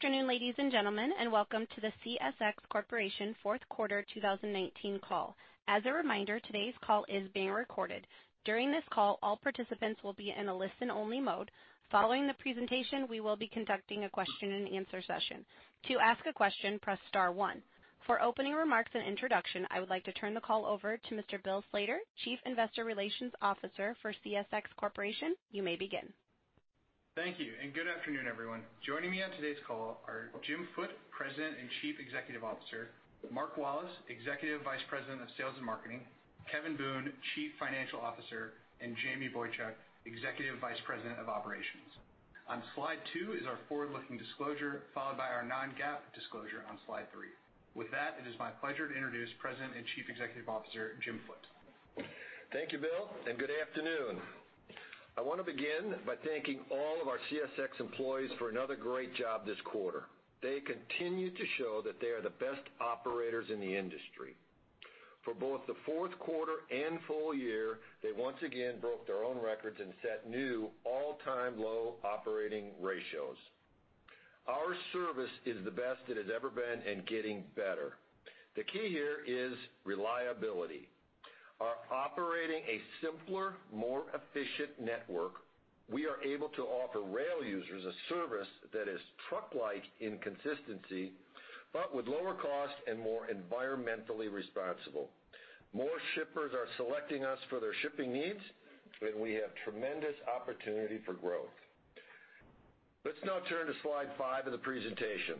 Good afternoon, ladies and gentlemen, and welcome to the CSX Corporation Fourth Quarter 2019 Call. As a reminder, today's call is being recorded. During this call, all participants will be in a listen-only mode. Following the presentation, we will be conducting a question and answer session. To ask a question, press star one. For opening remarks and introduction, I would like to turn the call over to Mr. Bill Slater, Chief Investor Relations Officer for CSX Corporation. You may begin. Thank you, and good afternoon, everyone. Joining me on today's call are Jim Foote, President and Chief Executive Officer, Mark Wallace, Executive Vice President of Sales and Marketing, Kevin Boone, Chief Financial Officer, and Jamie Boychuk, Executive Vice President of Operations. On slide two is our forward-looking disclosure, followed by our non-GAAP disclosure on slide three. With that, it is my pleasure to introduce President and Chief Executive Officer, Jim Foote. Thank you, Bill, and good afternoon. I want to begin by thanking all of our CSX employees for another great job this quarter. They continue to show that they are the best operators in the industry. For both the fourth quarter and full year, they once again broke their own records and set new all-time low operating ratios. Our service is the best it has ever been and getting better. The key here is reliability. By operating a simpler, more efficient network, we are able to offer rail users a service that is truck-like in consistency, but with lower cost and more environmentally responsible. More shippers are selecting us for their shipping needs, and we have tremendous opportunity for growth. Let's now turn to slide five of the presentation.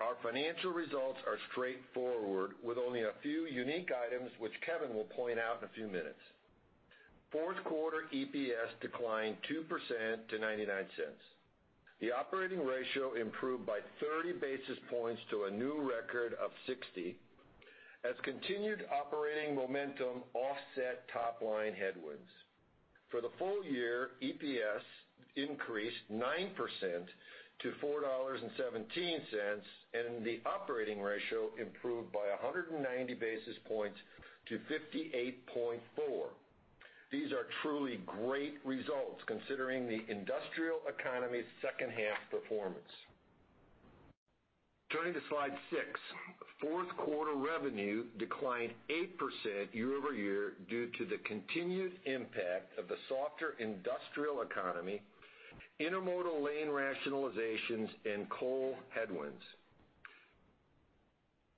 Our financial results are straightforward, with only a few unique items, which Kevin will point out in a few minutes. Fourth quarter EPS declined 2% to $0.99. The operating ratio improved by 30 basis points to a new record of 60, as continued operating momentum offset top-line headwinds. For the full year, EPS increased 9% to $4.17, and the operating ratio improved by 190 basis points to 58.4. These are truly great results considering the industrial economy's second-half performance. Turning to slide six, fourth quarter revenue declined 8% year-over-year due to the continued impact of the softer industrial economy, intermodal lane rationalizations, and coal headwinds.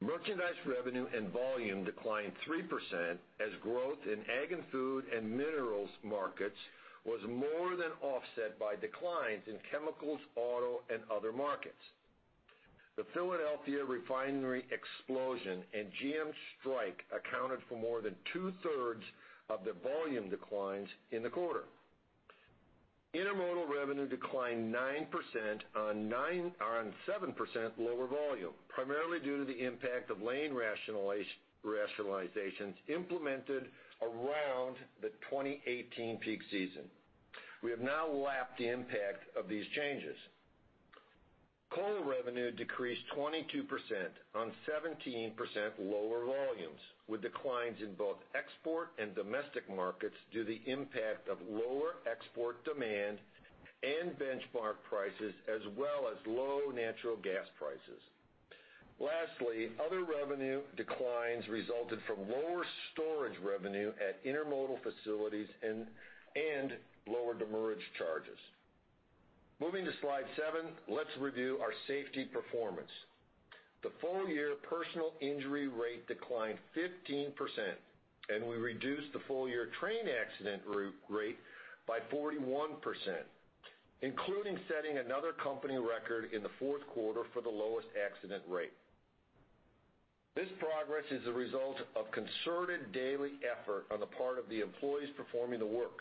Merchandise revenue and volume declined 3% as growth in ag and food and minerals markets was more than offset by declines in chemicals, auto, and other markets. The Philadelphia refinery explosion and GM strike accounted for more than two-thirds of the volume declines in the quarter. Intermodal revenue declined 9% on 7% lower volume, primarily due to the impact of lane rationalizations implemented around the 2018 peak season. We have now lapped the impact of these changes. Coal revenue decreased 22% on 17% lower volumes, with declines in both export and domestic markets due the impact of lower export demand and benchmark prices, as well as low natural gas prices. Lastly, other revenue declines resulted from lower storage revenue at intermodal facilities and lower demurrage charges. Moving to slide seven, let's review our safety performance. The full-year personal injury rate declined 15%, and we reduced the full-year train accident rate by 41%, including setting another company record in the fourth quarter for the lowest accident rate. This progress is a result of concerted daily effort on the part of the employees performing the work.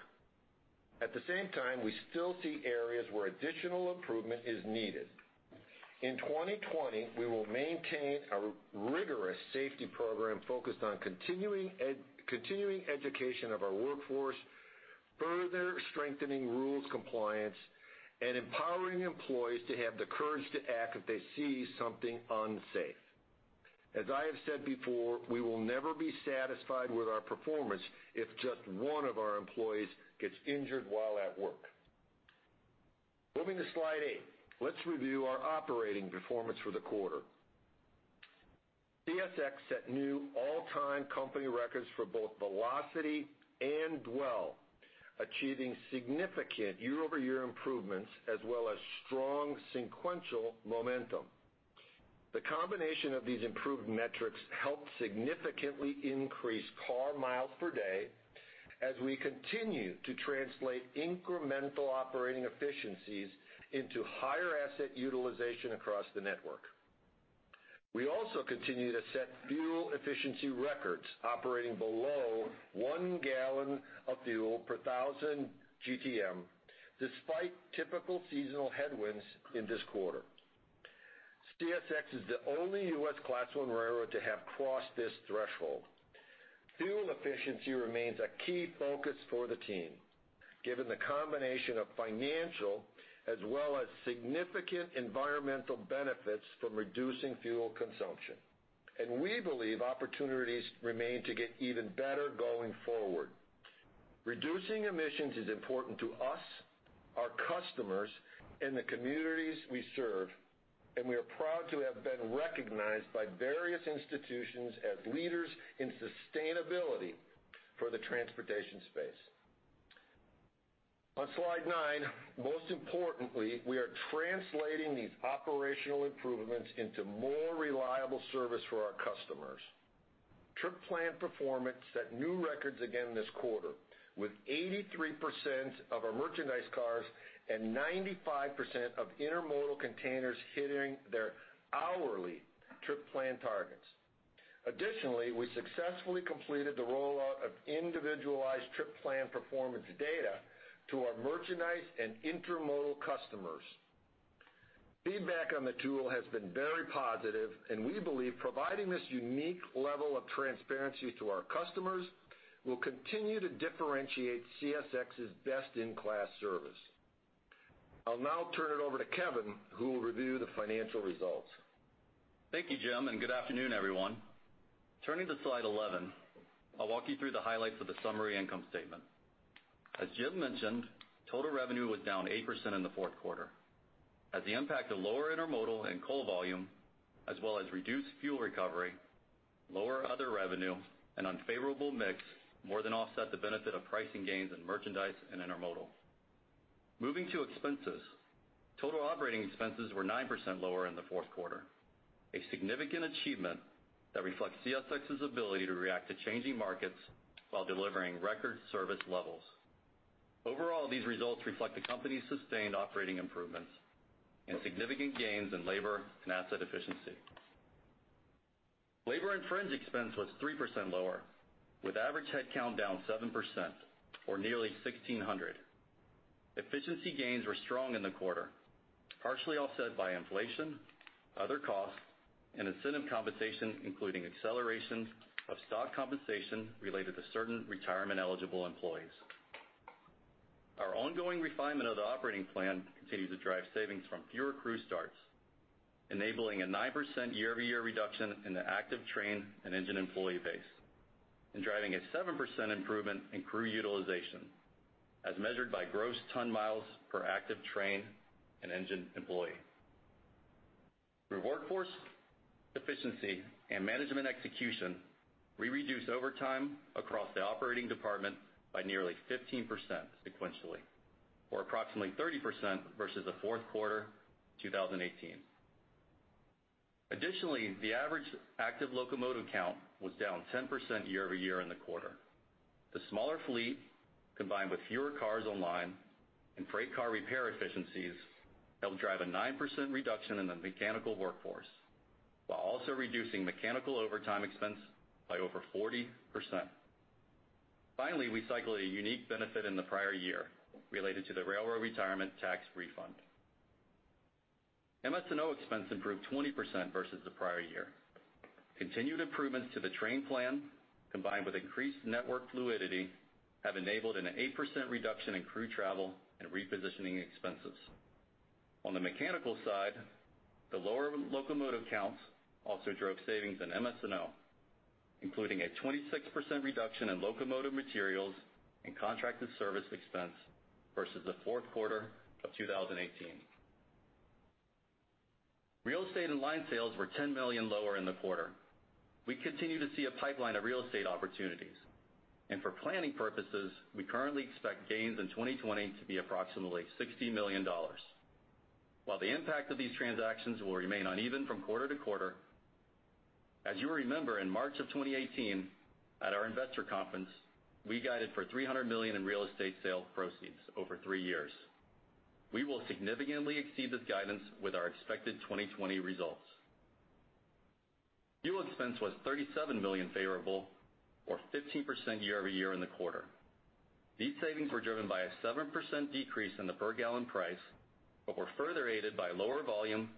At the same time, we still see areas where additional improvement is needed. In 2020, we will maintain a rigorous safety program focused on continuing education of our workforce, further strengthening rules compliance, and empowering employees to have the courage to act if they see something unsafe. As I have said before, we will never be satisfied with our performance if just one of our employees gets injured while at work. Moving to slide eight, let's review our operating performance for the quarter. CSX set new all-time company records for both velocity and dwell, achieving significant year-over-year improvements as well as strong sequential momentum. The combination of these improved metrics helped significantly increase car miles per day as we continue to translate incremental operating efficiencies into higher asset utilization across the network. We also continue to set fuel efficiency records operating below one gallon of fuel per 1,000 GTM, despite typical seasonal headwinds in this quarter. CSX is the only U.S. Class I railroad to have crossed this threshold. Fuel efficiency remains a key focus for the team, given the combination of financial as well as significant environmental benefits from reducing fuel consumption, and we believe opportunities remain to get even better going forward. Reducing emissions is important to us, our customers, and the communities we serve, and we are proud to have been recognized by various institutions as leaders in sustainability for the transportation space. On slide nine, most importantly, we are translating these operational improvements into more reliable service for our customers. Trip plan performance set new records again this quarter with 83% of our merchandise cars and 95% of intermodal containers hitting their hourly trip plan targets. Additionally, we successfully completed the rollout of individualized trip plan performance data to our merchandise and intermodal customers. Feedback on the tool has been very positive, and we believe providing this unique level of transparency to our customers will continue to differentiate CSX's best-in-class service. I'll now turn it over to Kevin, who will review the financial results. Thank you, Jim. Good afternoon, everyone. Turning to slide 11, I'll walk you through the highlights of the summary income statement. As Jim mentioned, total revenue was down 8% in the fourth quarter. The impact of lower intermodal and coal volume, as well as reduced fuel recovery, lower other revenue, and unfavorable mix more than offset the benefit of pricing gains in merchandise and intermodal. Moving to expenses, total operating expenses were 9% lower in the fourth quarter, a significant achievement that reflects CSX's ability to react to changing markets while delivering record service levels. Overall, these results reflect the company's sustained operating improvements and significant gains in labor and asset efficiency. Labor and fringe expense was 3% lower, with average headcount down 7%, or nearly 1,600. Efficiency gains were strong in the quarter, partially offset by inflation, other costs, and incentive compensation, including accelerations of stock compensation related to certain retirement-eligible employees. Our ongoing refinement of the operating plan continues to drive savings from fewer crew starts, enabling a 9% year-over-year reduction in the active train and engine employee base and driving a 7% improvement in crew utilization, as measured by Gross Ton Miles per active train and engine employee. Through workforce efficiency and management execution, we reduced overtime across the operating department by nearly 15% sequentially, or approximately 30% versus the fourth quarter 2018. Additionally, the average active locomotive count was down 10% year-over-year in the quarter. The smaller fleet, combined with fewer cars online and freight car repair efficiencies, helped drive a 9% reduction in the mechanical workforce while also reducing mechanical overtime expense by over 40%. Finally, we cycled a unique benefit in the prior year related to the Railroad Retirement Tax refund. MS&O expense improved 20% versus the prior year. Continued improvements to the train plan combined with increased network fluidity have enabled an 8% reduction in crew travel and repositioning expenses. On the mechanical side, the lower locomotive counts also drove savings in MS&O, including a 26% reduction in locomotive materials and contracted service expense versus the fourth quarter of 2018. Real estate and line sales were $10 million lower in the quarter. We continue to see a pipeline of real estate opportunities. For planning purposes, we currently expect gains in 2020 to be approximately $60 million. While the impact of these transactions will remain uneven from quarter-to-quarter, as you remember in March of 2018 at our investor conference, we guided for $300 million in real estate sale proceeds over three years. We will significantly exceed this guidance with our expected 2020 results. Fuel expense was $37 million favorable, or 15% year-over-year in the quarter. These savings were driven by a 7% decrease in the per gallon price, but were further aided by lower volume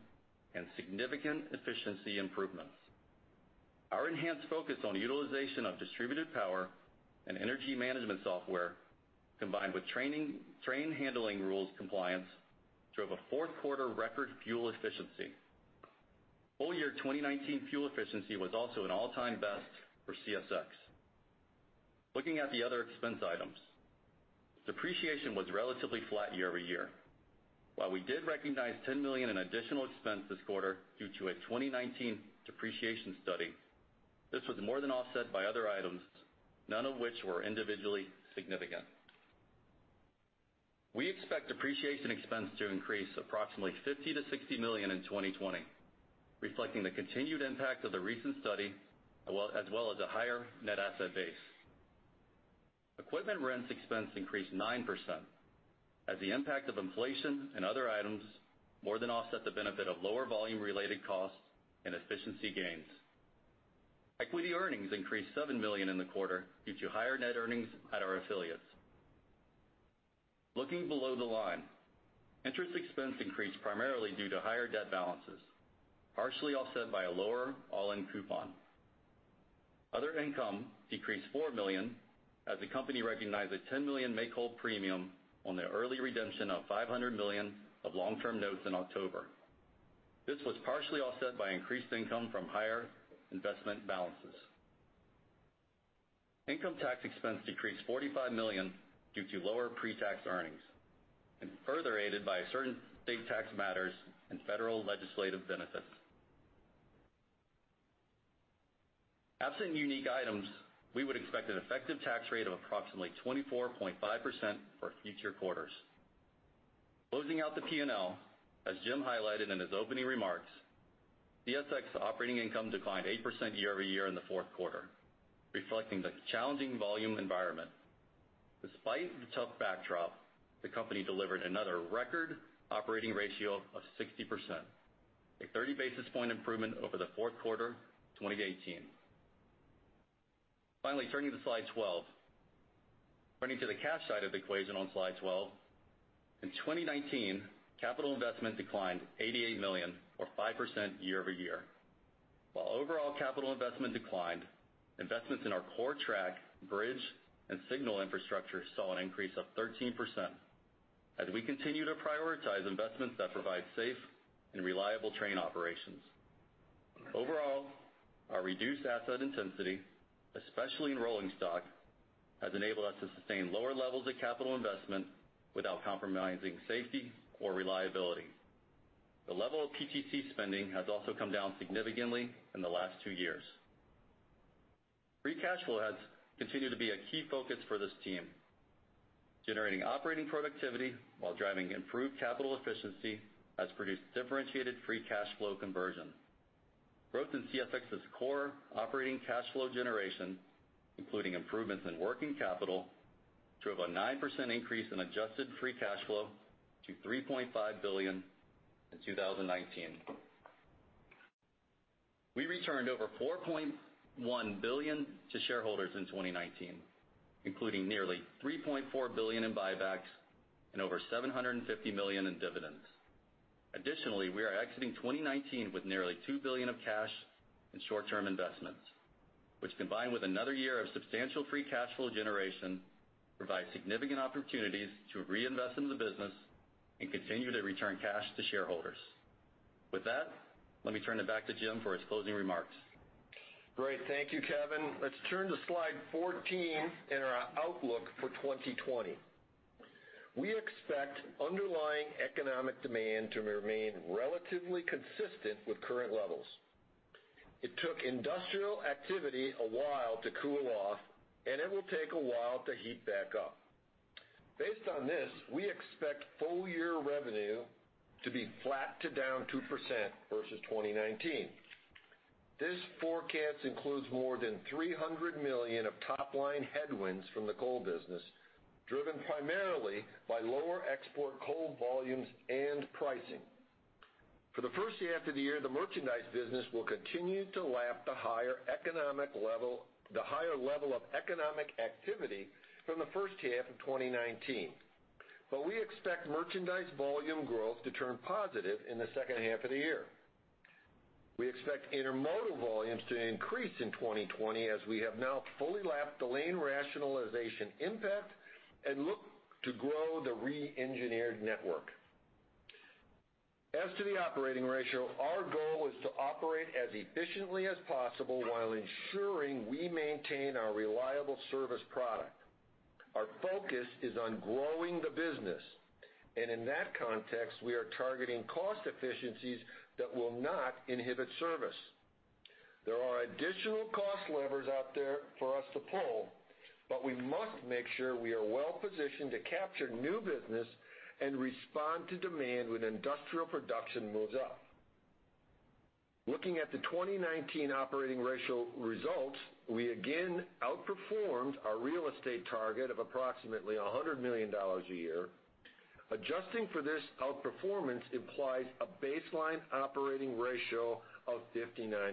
and significant efficiency improvements. Our enhanced focus on utilization of distributed power and energy management software, combined with train handling rules compliance, drove a fourth quarter record fuel efficiency. Full year 2019 fuel efficiency was also an all-time best for CSX. Looking at the other expense items, depreciation was relatively flat year-over-year. While we did recognize $10 million in additional expense this quarter due to a 2019 depreciation study, this was more than offset by other items, none of which were individually significant. We expect depreciation expense to increase approximately $50 million-$60 million in 2020, reflecting the continued impact of the recent study, as well as a higher net asset base. Equipment rents expense increased 9%, as the impact of inflation and other items more than offset the benefit of lower volume-related costs and efficiency gains. Equity earnings increased $7 million in the quarter due to higher net earnings at our affiliates. Looking below the line, interest expense increased primarily due to higher debt balances, partially offset by a lower all-in coupon. Other income decreased $4 million as the company recognized a $10 million make-whole premium on the early redemption of $500 million of long-term notes in October. This was partially offset by increased income from higher investment balances. Income tax expense decreased $45 million due to lower pre-tax earnings, and further aided by certain state tax matters and federal legislative benefits. Absent unique items, we would expect an effective tax rate of approximately 24.5% for future quarters. Closing out the P&L, as Jim highlighted in his opening remarks, CSX operating income declined 8% year-over-year in the fourth quarter, reflecting the challenging volume environment. Despite the tough backdrop, the company delivered another record operating ratio of 60%, a 30 basis point improvement over the fourth quarter 2018. Finally, turning to Slide 12. Turning to the cash side of the equation on Slide 12, in 2019, capital investment declined $88 million or 5% year-over-year. While overall capital investment declined, investments in our core track, bridge, and signal infrastructure saw an increase of 13% as we continue to prioritize investments that provide safe and reliable train operations. Overall, our reduced asset intensity, especially in rolling stock, has enabled us to sustain lower levels of capital investment without compromising safety or reliability. The level of PTC spending has also come down significantly in the last two years. Free cash flow has continued to be a key focus for this team. Generating operating productivity while driving improved capital efficiency has produced differentiated free cash flow conversion. Growth in CSX's core operating cash flow generation, including improvements in working capital, drove a 9% increase in adjusted free cash flow to $3.5 billion in 2019. We returned over $4.1 billion to shareholders in 2019, including nearly $3.4 billion in buybacks and over $750 million in dividends. Additionally, we are exiting 2019 with nearly $2 billion of cash and short-term investments, which combined with another year of substantial free cash flow generation, provide significant opportunities to reinvest in the business and continue to return cash to shareholders. With that, let me turn it back to Jim for his closing remarks. Great. Thank you, Kevin. Let's turn to Slide 14 and our outlook for 2020. We expect underlying economic demand to remain relatively consistent with current levels. It took industrial activity a while to cool off, and it will take a while to heat back up. Based on this, we expect full year revenue to be flat to down 2% versus 2019. This forecast includes more than $300 million of top-line headwinds from the coal business, driven primarily by lower export coal volumes and pricing. For the first half of the year, the merchandise business will continue to lap the higher level of economic activity from the first half of 2019, but we expect merchandise volume growth to turn positive in the second half of the year. We expect intermodal volumes to increase in 2020 as we have now fully lapped the lane rationalization impact and look to grow the re-engineered network. As to the operating ratio, our goal is to operate as efficiently as possible while ensuring we maintain our reliable service product. Our focus is on growing the business, and in that context, we are targeting cost efficiencies that will not inhibit service. There are additional cost levers out there for us to pull, but we must make sure we are well-positioned to capture new business and respond to demand when industrial production moves up. Looking at the 2019 operating ratio results, we again outperformed our real estate target of approximately $100 million a year. Adjusting for this outperformance implies a baseline operating ratio of 59%.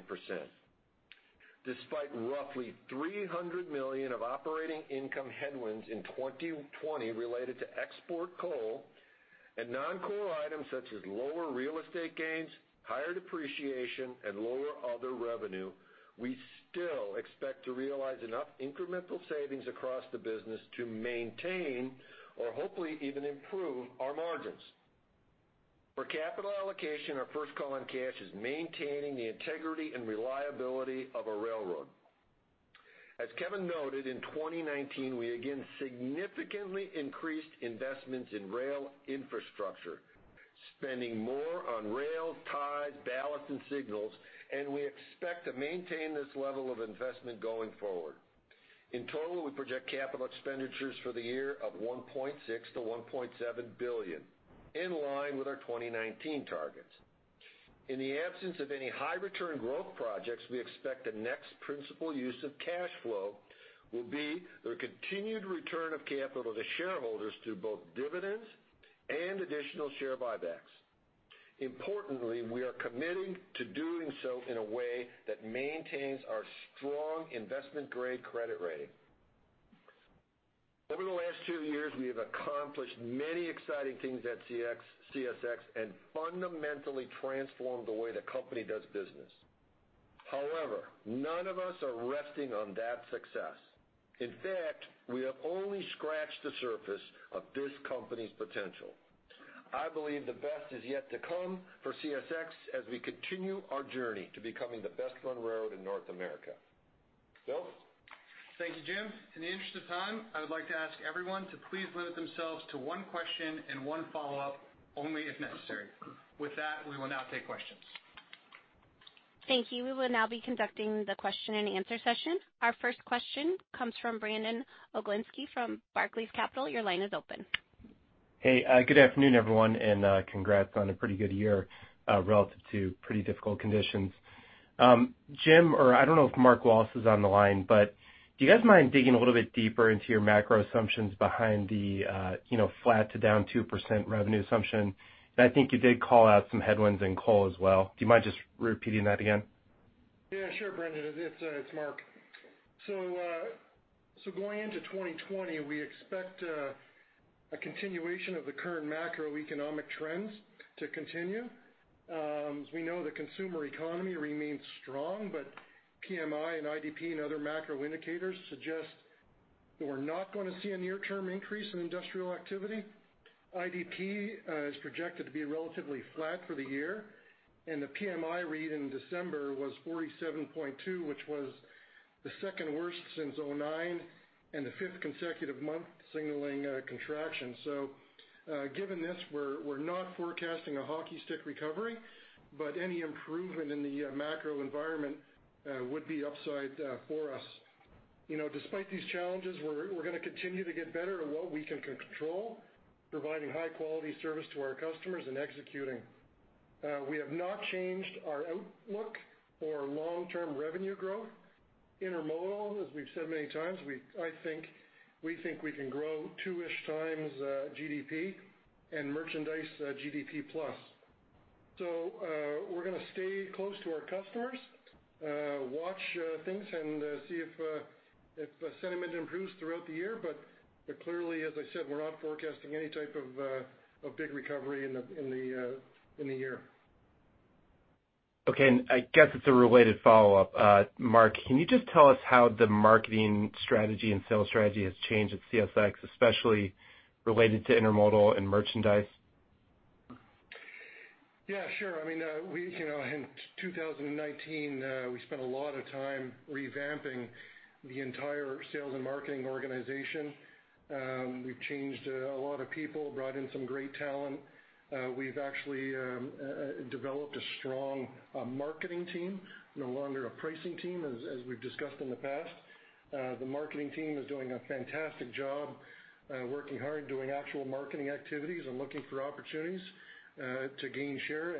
Despite roughly $300 million of operating income headwinds in 2020 related to export coal and non-core items such as lower real estate gains, higher depreciation, and lower other revenue, we still expect to realize enough incremental savings across the business to maintain or hopefully even improve our margins. For capital allocation, our first call on cash is maintaining the integrity and reliability of our railroad. As Kevin noted, in 2019, we again significantly increased investments in rail infrastructure, spending more on rails, ties, ballast, and signals, and we expect to maintain this level of investment going forward. In total, we project capital expenditures for the year of $1.6 billion-$1.7 billion, in line with our 2019 targets. In the absence of any high return growth projects, we expect the next principal use of cash flow will be the continued return of capital to shareholders through both dividends and additional share buybacks. Importantly, we are committing to doing so in a way that maintains our strong investment-grade credit rating. Over the last two years, we have accomplished many exciting things at CSX and fundamentally transformed the way the company does business. None of us are resting on that success. In fact, we have only scratched the surface of this company's potential. I believe the best is yet to come for CSX as we continue our journey to becoming the best run railroad in North America. Bill? Thank you, Jim. In the interest of time, I would like to ask everyone to please limit themselves to one question and one follow-up only if necessary. With that, we will now take questions. Thank you. We will now be conducting the question and answer session. Our first question comes from Brandon Oglenski from Barclays Capital. Your line is open. Hey, good afternoon, everyone, and congrats on a pretty good year relative to pretty difficult conditions. Jim, or I don't know if Mark Wallace is on the line, but do you guys mind digging a little bit deeper into your macro assumptions behind the flat to down 2% revenue assumption? I think you did call out some headwinds in coal as well. Do you mind just repeating that again? Yeah, sure, Brandon, it's Mark. Going into 2020, we expect a continuation of the current macroeconomic trends to continue. As we know, the consumer economy remains strong, but PMI and IP and other macro indicators suggest that we're not going to see a near-term increase in industrial activity. IP is projected to be relatively flat for the year, and the PMI read in December was 47.2%, which was the second worst since 2009 and the fifth consecutive month signaling a contraction. Given this, we're not forecasting a hockey stick recovery, but any improvement in the macro environment would be upside for us. Despite these challenges, we're going to continue to get better at what we can control, providing high-quality service to our customers and executing. We have not changed our outlook or long-term revenue growth. Intermodal, as we've said many times, we think we can grow two-ish times GDP and merchandise GDP plus. We're going to stay close to our customers, watch things, and see if sentiment improves throughout the year. Clearly, as I said, we're not forecasting any type of big recovery in the year. Okay, I guess it's a related follow-up. Mark, can you just tell us how the marketing strategy and sales strategy has changed at CSX, especially related to intermodal and merchandise? Yeah, sure. In 2019, we spent a lot of time revamping the entire sales and marketing organization. We've changed a lot of people, brought in some great talent. We've actually developed a strong marketing team, no longer a pricing team, as we've discussed in the past. The marketing team is doing a fantastic job, working hard doing actual marketing activities and looking for opportunities to gain share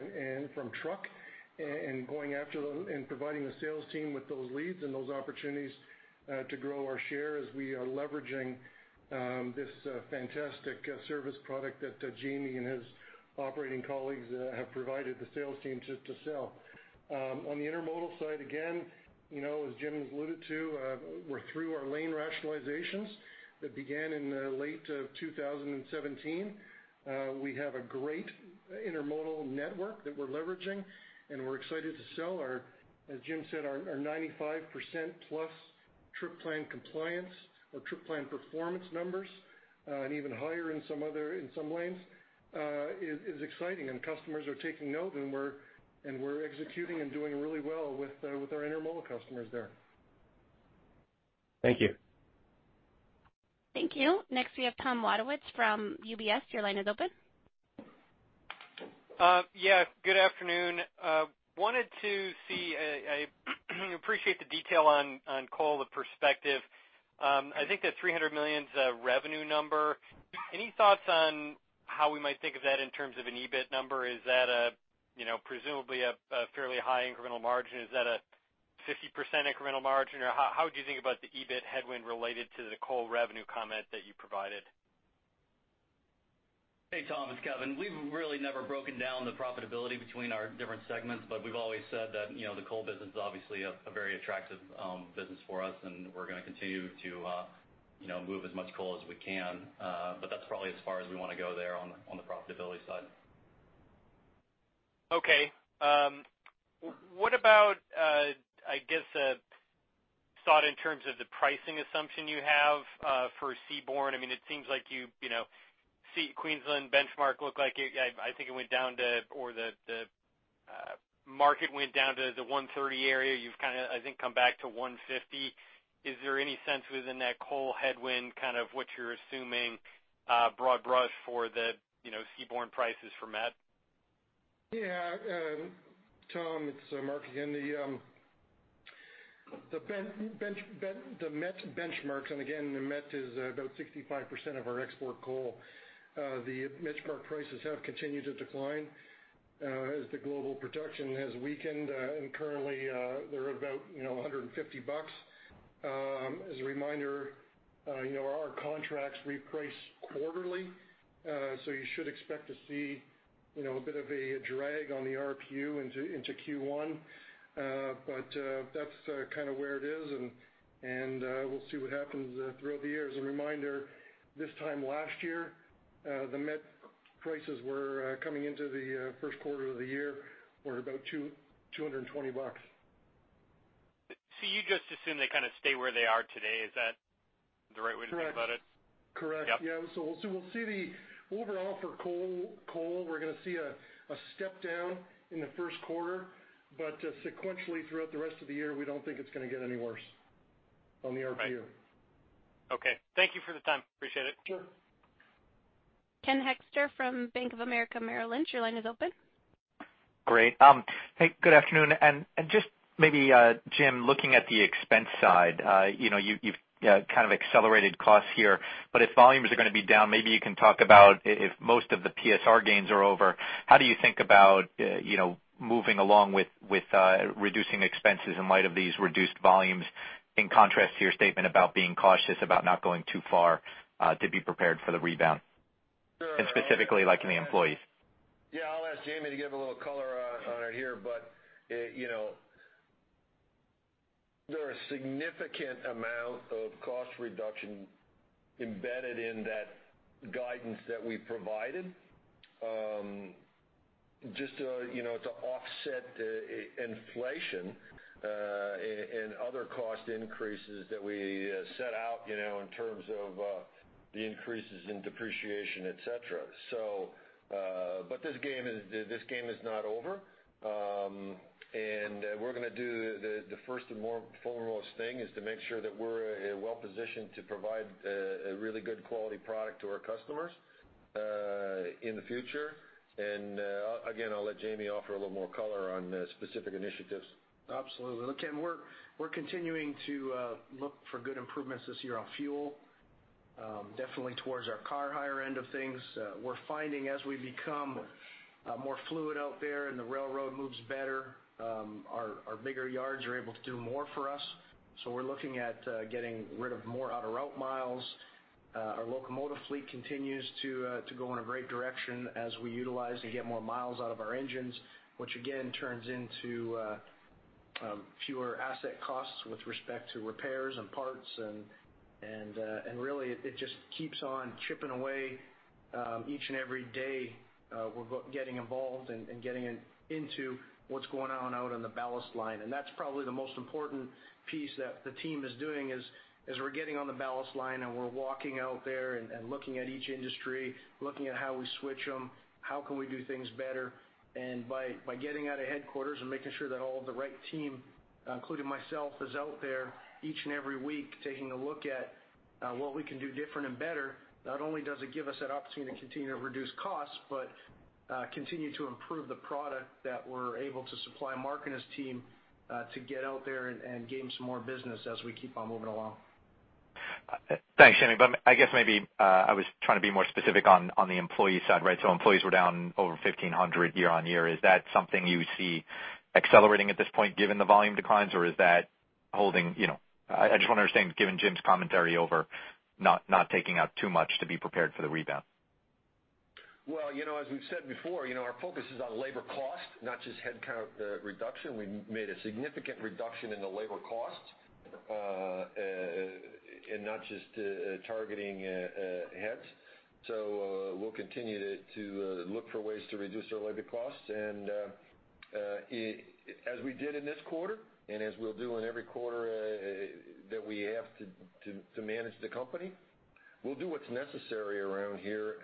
from truck and going after them and providing the sales team with those leads and those opportunities to grow our share as we are leveraging this fantastic service product that Jamie and his operating colleagues have provided the sales team to sell. On the intermodal side, again, as Jim has alluded to, we're through our lane rationalizations that began in late 2017. We have a great intermodal network that we're leveraging, and we're excited to sell our, as Jim said, our 95%-plus trip plan compliance or trip plan performance numbers, and even higher in some lanes. It is exciting, and customers are taking note, and we're executing and doing really well with our intermodal customers there. Thank you. Thank you. Next, we have Tom Wadewitz from UBS. Your line is open. Yeah, good afternoon. I appreciate the detail on coal, the perspective. I think that $300 million is a revenue number. Any thoughts on how we might think of that in terms of an EBIT number? Is that presumably a fairly high incremental margin? Is that a 50% incremental margin? How would you think about the EBIT headwind related to the coal revenue comment that you provided? Hey, Tom, it's Kevin. We've really never broken down the profitability between our different segments, but we've always said that the coal business is obviously a very attractive business for us, and we're going to continue to move as much coal as we can. That's probably as far as we want to go there on the profitability side. Okay. What about, I guess, a thought in terms of the pricing assumption you have for seaborne? It seems like Queensland benchmark looked like, I think it went down to, or the market went down to the $130 area. You've kind of, I think, come back to $150. Is there any sense within that coal headwind, what you're assuming broad brush for the seaborne prices for met? Yeah, Tom, it's Mark again. The met benchmarks, again, the met is about 65% of our export coal. The benchmark prices have continued to decline as the global production has weakened, currently they're about $150. As a reminder, our contracts reprice quarterly, you should expect to see a bit of a drag on the RPU into Q1. That's where it is, we'll see what happens throughout the year. As a reminder, this time last year, the met prices were coming into the first quarter of the year were about $220. You just assume they kind of stay where they are today. Is that the right way to think about it? Correct. Yeah. We'll see the overall for coal, we're going to see a step down in the first quarter, sequentially throughout the rest of the year, we don't think it's going to get any worse on the RPU. Okay. Thank you for the time. Appreciate it. Sure. Ken Hoexter from Bank of America Merrill Lynch, your line is open. Great. Hey, good afternoon. Just maybe, Jim, looking at the expense side, you've kind of accelerated costs here. If volumes are going to be down, maybe you can talk about if most of the PSR gains are over, how do you think about moving along with reducing expenses in light of these reduced volumes, in contrast to your statement about being cautious about not going too far to be prepared for the rebound, and specifically, like in the employees? Yeah, I'll ask Jamie to give a little color on it here. There are a significant amount of cost reduction embedded in that guidance that we provided, just to offset inflation, and other cost increases that we set out in terms of the increases in depreciation, et cetera. This game is not over. We're going to do the first and foremost thing, is to make sure that we're well-positioned to provide a really good quality product to our customers in the future. Again, I'll let Jamie offer a little more color on specific initiatives. Absolutely. Look, Ken, we're continuing to look for good improvements this year on fuel, definitely towards our car hire end of things. We're finding as we become more fluid out there and the railroad moves better, our bigger yards are able to do more for us. We're looking at getting rid of more out-of-route miles. Our locomotive fleet continues to go in a great direction as we utilize and get more miles out of our engines, which again turns into fewer asset costs with respect to repairs and parts, and really, it just keeps on chipping away. Each and every day, we're getting involved and getting into what's going on out on the ballast line. That's probably the most important piece that the team is doing, is we're getting on the ballast line, and we're walking out there and looking at each industry, looking at how we switch them, how can we do things better. By getting out of headquarters and making sure that all the right team, including myself, is out there each and every week, taking a look at what we can do different and better, not only does it give us that opportunity to continue to reduce costs, but continue to improve the product that we're able to supply Mark and his team to get out there and gain some more business as we keep on moving along. Thanks, Jamie. I guess maybe I was trying to be more specific on the employee side, right? Employees were down over 1,500 year-on-year. Is that something you see accelerating at this point, given the volume declines? I just want to understand, given Jim's commentary over not taking out too much to be prepared for the rebound. Well, as we've said before, our focus is on labor cost, not just headcount reduction. We made a significant reduction in the labor cost, and not just targeting heads. We'll continue to look for ways to reduce our labor costs. As we did in this quarter, and as we'll do in every quarter that we have to manage the company, we'll do what's necessary around here,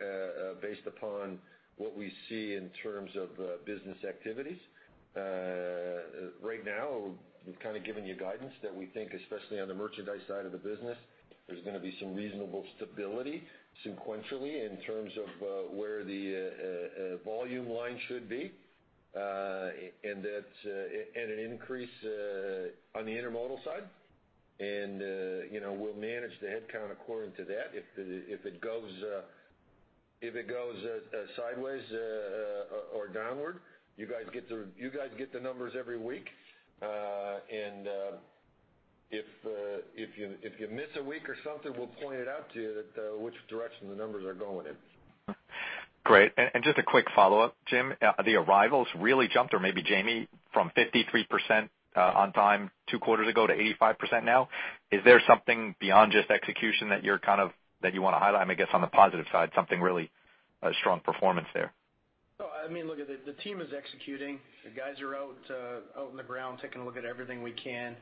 based upon what we see in terms of business activities. Right now, we've kind of given you guidance that we think, especially on the merchandise side of the business, there's going to be some reasonable stability sequentially in terms of where the volume line should be, and an increase on the intermodal side. We'll manage the headcount according to that. If it goes sideways or downward, you guys get the numbers every week. If you miss a week or something, we'll point it out to you which direction the numbers are going in. Great. Just a quick follow-up, Jim. The arrivals really jumped, or maybe Jamie, from 53% on time two quarters ago to 85% now. Is there something beyond just execution that you want to highlight? I guess on the positive side, something really strong performance there. Oh, look, the team is executing. The guys are out in the ground taking a look at everything we can.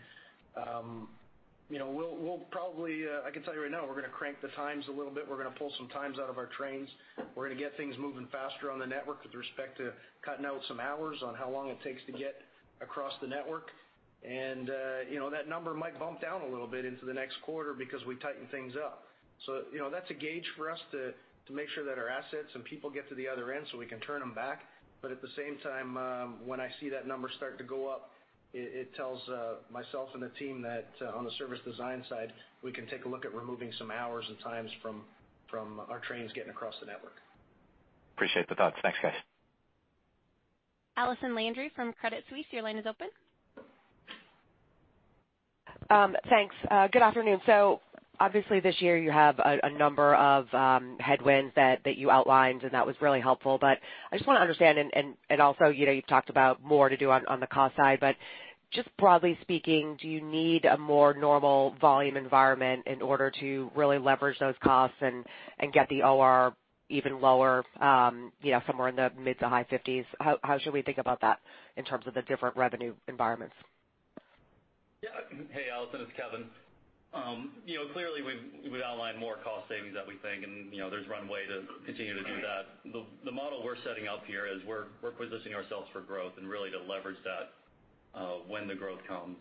I can tell you right now, we're going to crank the times a little bit. We're going to pull some times out of our trains. We're going to get things moving faster on the network with respect to cutting out some hours on how long it takes to get across the network. That number might bump down a little bit into the next quarter because we tightened things up. That's a gauge for us to make sure that our assets and people get to the other end so we can turn them back. At the same time, when I see that number start to go up, it tells myself and the team that on the service design side, we can take a look at removing some hours and times from our trains getting across the network. Appreciate the thoughts. Thanks, guys. Allison Landry from Credit Suisse, your line is open. Thanks. Good afternoon. Obviously this year you have a number of headwinds that you outlined, and that was really helpful. I just want to understand, and also you've talked about more to do on the cost side, but just broadly speaking, do you need a more normal volume environment in order to really leverage those costs and get the OR even lower, somewhere in the mid to high 50%? How should we think about that in terms of the different revenue environments? Yeah. Hey, Allison, it's Kevin. Clearly, we've outlined more cost savings that we think, and there's runway to continue to do that. The model we're setting up here is we're positioning ourselves for growth and really to leverage that when the growth comes.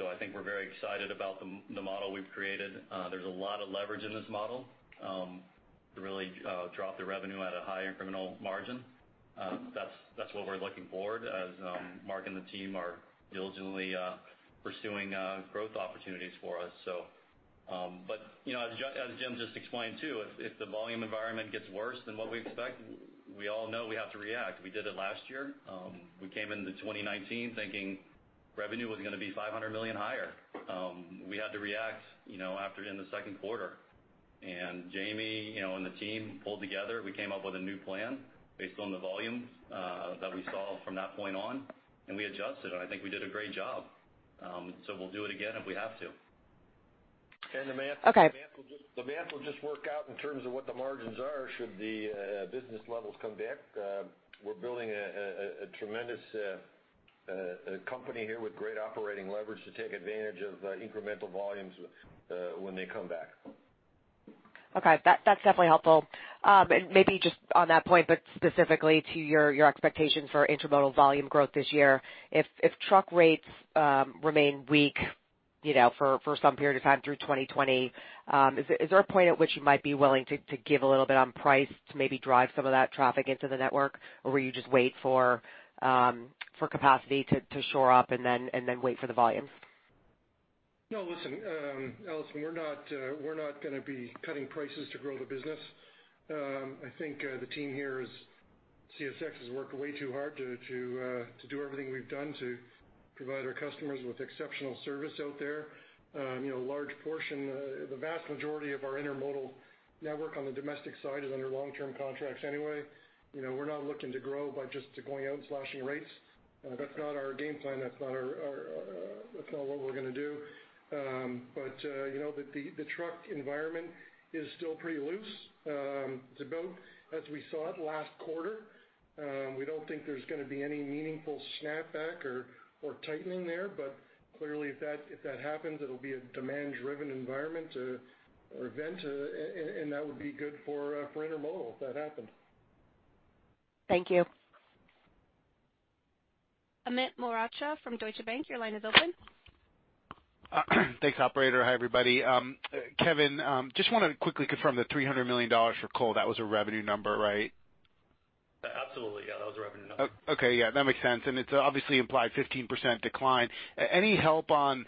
I think we're very excited about the model we've created. There's a lot of leverage in this model to really drop the revenue at a higher incremental margin. That's what we're looking for as Mark and the team are diligently pursuing growth opportunities for us. As Jim just explained, too, if the volume environment gets worse than what we expect, we all know we have to react. We did it last year. We came into 2019 thinking revenue was going to be $500 million higher. We had to react in the second quarter, and Jamie and the team pulled together. We came up with a new plan based on the volumes that we saw from that point on, and we adjusted, and I think we did a great job. We'll do it again if we have to. Okay. The math will just work out in terms of what the margins are should the business levels come back. We're building a tremendous company here with great operating leverage to take advantage of incremental volumes when they come back. Okay. That's definitely helpful. Maybe just on that point, specifically to your expectations for intermodal volume growth this year. If truck rates remain weak for some period of time through 2020, is there a point at which you might be willing to give a little bit on price to maybe drive some of that traffic into the network, or will you just wait for capacity to shore up and then wait for the volumes? No, listen. Allison, we're not going to be cutting prices to grow the business. I think the team here, CSX, has worked way too hard to do everything we've done to provide our customers with exceptional service out there. A large portion, the vast majority of our intermodal network on the domestic side is under long-term contracts anyway. We're not looking to grow by just going out and slashing rates. That's not our game plan. That's not what we're going to do. The truck environment is still pretty loose. It's about as we saw it last quarter. We don't think there's going to be any meaningful snapback or tightening there. Clearly, if that happens, it'll be a demand-driven environment or event, and that would be good for intermodal if that happened. Thank you. Amit Mehrotra from Deutsche Bank, your line is open. Thanks, operator. Hi, everybody. Kevin, just wanted to quickly confirm the $300 million for coal. That was a revenue number, right? Absolutely, yeah. That was a revenue number. Okay, yeah, that makes sense. It's obviously implied 15% decline. Any help on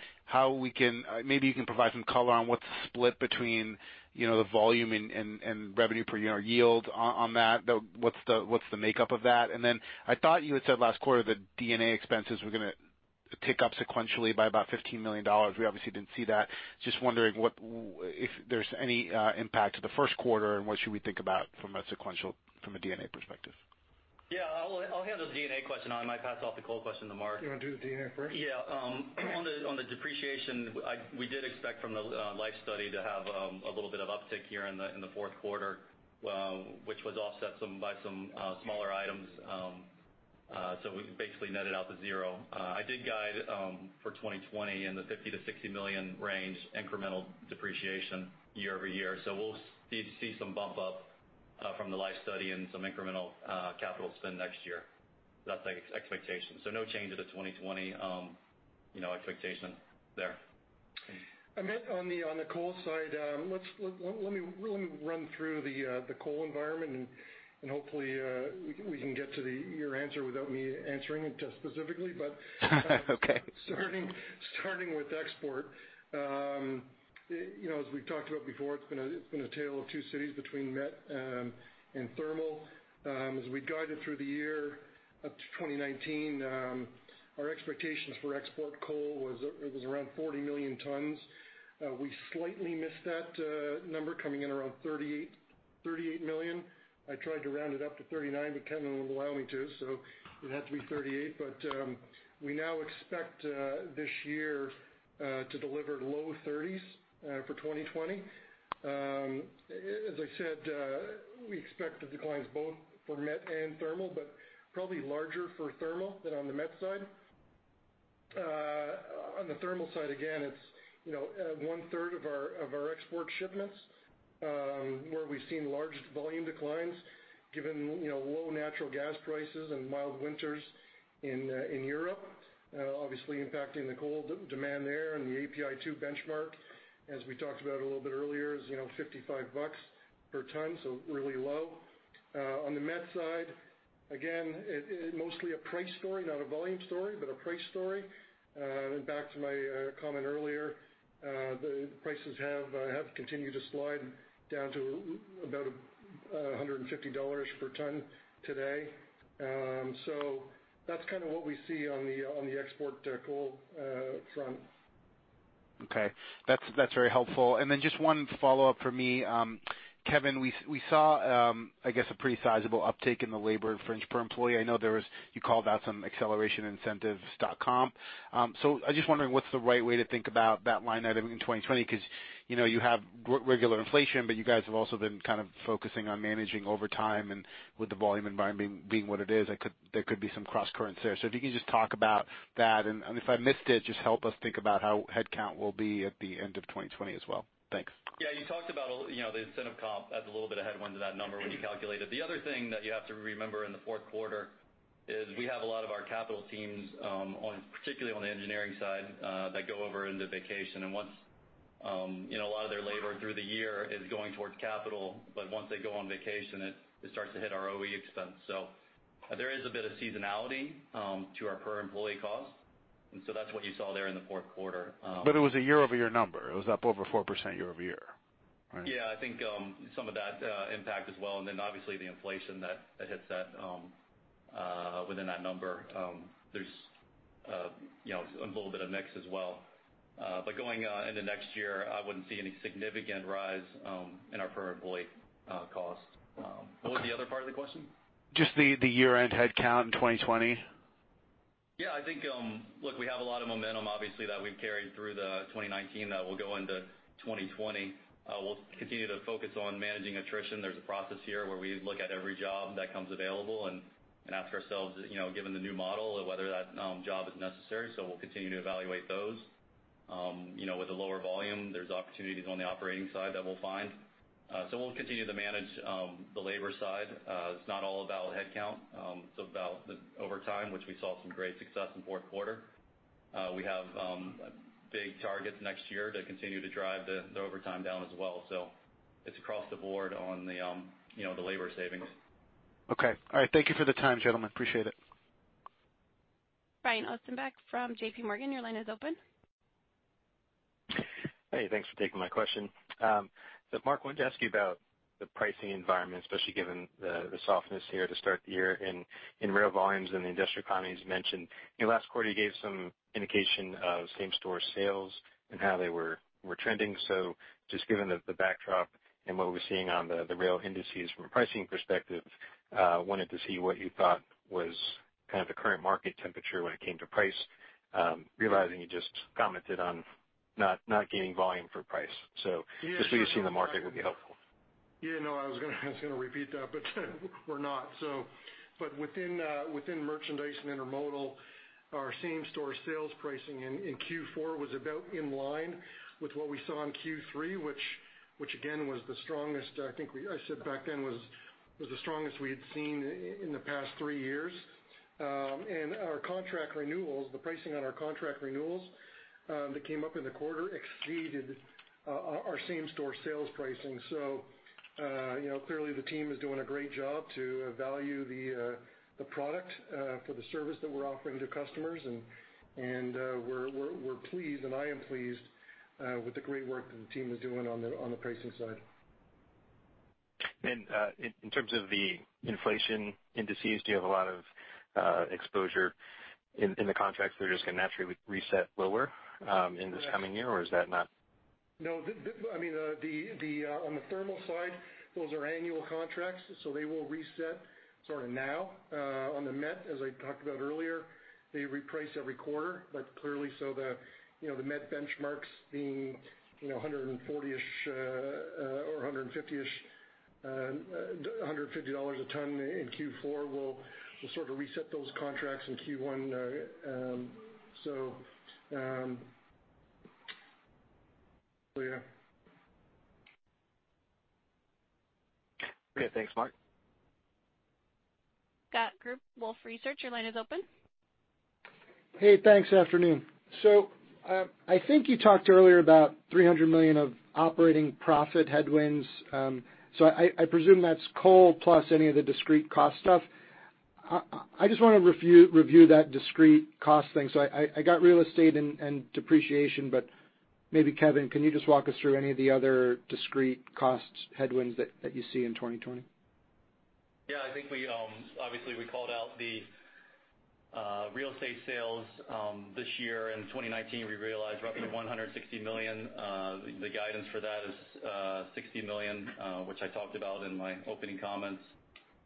maybe you can provide some color on what's split between the volume and revenue per unit or yield on that? What's the makeup of that? I thought you had said last quarter that D&A expenses were going to tick up sequentially by about $15 million. We obviously didn't see that. Just wondering if there's any impact to the first quarter, what should we think about from a sequential, from a D&A perspective? Yeah, I'll handle the D&A question. I might pass off the coal question to Mark. You want to do the D&A first? On the depreciation, we did expect from the life study to have a little bit of uptick here in the fourth quarter, which was offset by some smaller items. We basically netted out to zero. I did guide for 2020 in the $50 million-$60 million range incremental depreciation year-over-year. We'll see some bump up from the life study and some incremental capital spend next year. That's the expectation. No change to the 2020 expectation there. Amit, on the coal side, let me run through the coal environment, and hopefully we can get to your answer without me answering it specifically. Okay. Starting with export. As we've talked about before, it's been a tale of two cities between met and thermal. As we guided through the year up to 2019, our expectations for export coal was around 40 million tons. We slightly missed that number, coming in around 38 million. I tried to round it up to 39 million, Kevin wouldn't allow me to, so it had to be 38 million. We now expect this year to deliver low 30s for 2020. As I said, we expect the declines both for met and thermal, but probably larger for thermal than on the met side. On the thermal side, again, it's one-third of our export shipments, where we've seen large volume declines given low natural gas prices and mild winters in Europe, obviously impacting the coal demand there and the API 2 benchmark, as we talked about a little bit earlier, is $55 per ton, really low. On the met side, again, mostly a price story, not a volume story, but a price story. Back to my comment earlier. The prices have continued to slide down to about $150 per ton today. That's kind of what we see on the export coal front. Okay. That's very helpful. Just one follow-up from me. Kevin, we saw, I guess, a pretty sizable uptick in the labor fringe per employee. I know you called out some acceleration in incentive comp. I'm just wondering what's the right way to think about that line item in 2020, because you have regular inflation, but you guys have also been kind of focusing on managing over time and with the volume environment being what it is, there could be some cross currents there. If you could just talk about that and if I missed it, just help us think about how headcount will be at the end of 2020 as well. Thanks. Yeah, you talked about the incentive comp as a little bit of headwind to that number when you calculate it. The other thing that you have to remember in the fourth quarter is we have a lot of our capital teams, particularly on the engineering side, that go over into vacation. A lot of their labor through the year is going towards capital, but once they go on vacation, it starts to hit our OE expense. There is a bit of seasonality to our per employee cost, and so that's what you saw there in the fourth quarter. It was a year-over-year number. It was up over 4% year-over-year, right? Yeah, I think some of that impact as well, and then obviously the inflation that hits that within that number. There's a little bit of mix as well. Going into next year, I wouldn't see any significant rise in our per employee cost. What was the other part of the question? Just the year-end headcount in 2020. I think, look, we have a lot of momentum, obviously, that we've carried through the 2019 that will go into 2020. We'll continue to focus on managing attrition. There's a process here where we look at every job that comes available and ask ourselves, given the new model, whether that job is necessary. We'll continue to evaluate those. With the lower volume, there's opportunities on the operating side that we'll find. We'll continue to manage the labor side. It's not all about headcount. It's about the overtime, which we saw some great success in fourth quarter. We have big targets next year to continue to drive the overtime down as well. It's across the board on the labor savings. Okay. All right. Thank you for the time, gentlemen. Appreciate it. Brian Ossenbeck from J.P. Morgan, your line is open. Hey, thanks for taking my question. Mark, wanted to ask you about the pricing environment, especially given the softness here to start the year in rail volumes and the industrial economy, as you mentioned. Last quarter, you gave some indication of same-store sales and how they were trending. Just given the backdrop and what we're seeing on the rail indices from a pricing perspective, wanted to see what you thought was kind of the current market temperature when it came to price, realizing you just commented on not gaining volume for price. Just what you're seeing in the market would be helpful. Yeah, no, I was going to repeat that. We're not. Within merchandise and intermodal, our same-store sales pricing in Q4 was about in line with what we saw in Q3, which again, was the strongest we had seen in the past three years. Our contract renewals, the pricing on our contract renewals that came up in the quarter exceeded our same-store sales pricing. Clearly the team is doing a great job to value the product for the service that we're offering to customers, and I am pleased with the great work that the team is doing on the pricing side. In terms of the inflation indices, do you have a lot of exposure in the contracts that are just going to naturally reset lower in this coming year, or is that not? No. On the thermal side, those are annual contracts, so they will reset sort of now. On the met, as I talked about earlier, they reprice every quarter. Clearly, the met benchmarks being $140-ish or $150 a ton in Q4 will sort of reset those contracts in Q1. Yeah. Okay. Thanks, Mark. Scott Group, Wolfe Research, your line is open. Hey, thanks. Afternoon. I think you talked earlier about $300 million of operating profit headwinds. I presume that's coal plus any of the discrete cost stuff. I just want to review that discrete cost thing. I got real estate and depreciation, but maybe Kevin, can you just walk us through any of the other discrete costs headwinds that you see in 2020? Yeah, I think obviously we called out the real estate sales this year. In 2019, we realized roughly $160 million. The guidance for that is $60 million, which I talked about in my opening comments.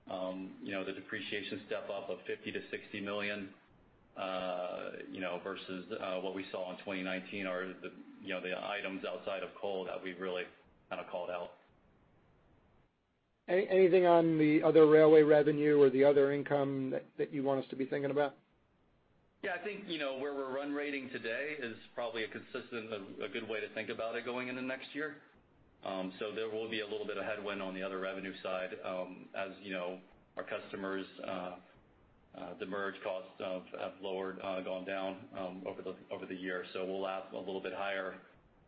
The depreciation step-up of $50 million-$60 million, versus what we saw in 2019 are the items outside of coal that we've really kind of called out. Anything on the other railway revenue or the other income that you want us to be thinking about? Yeah, I think, where we're run rating today is probably a good way to think about it going into next year. There will be a little bit of headwind on the other revenue side as our customers, the demurrage costs have gone down over the year. We'll have a little bit higher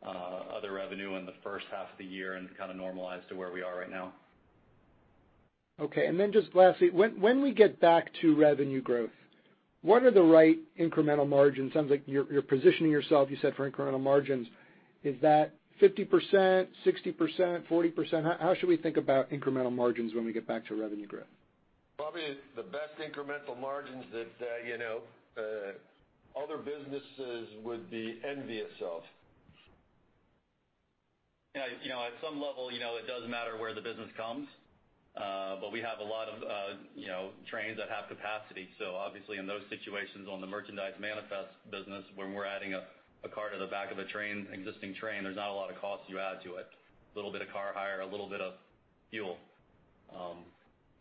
other revenue in the first half of the year and kind of normalize to where we are right now. Okay. Just lastly, when we get back to revenue growth, what are the right incremental margins? Sounds like you're positioning yourself, you said for incremental margins. Is that 50%, 60%, 40%? How should we think about incremental margins when we get back to revenue growth? Probably the best incremental margins that other businesses would be envious of. At some level, it doesn't matter where the business comes. We have a lot of trains that have capacity. Obviously, in those situations on the merchandise manifest business, when we're adding a car to the back of an existing train, there's not a lot of cost you add to it. A little bit of car hire, a little bit of fuel.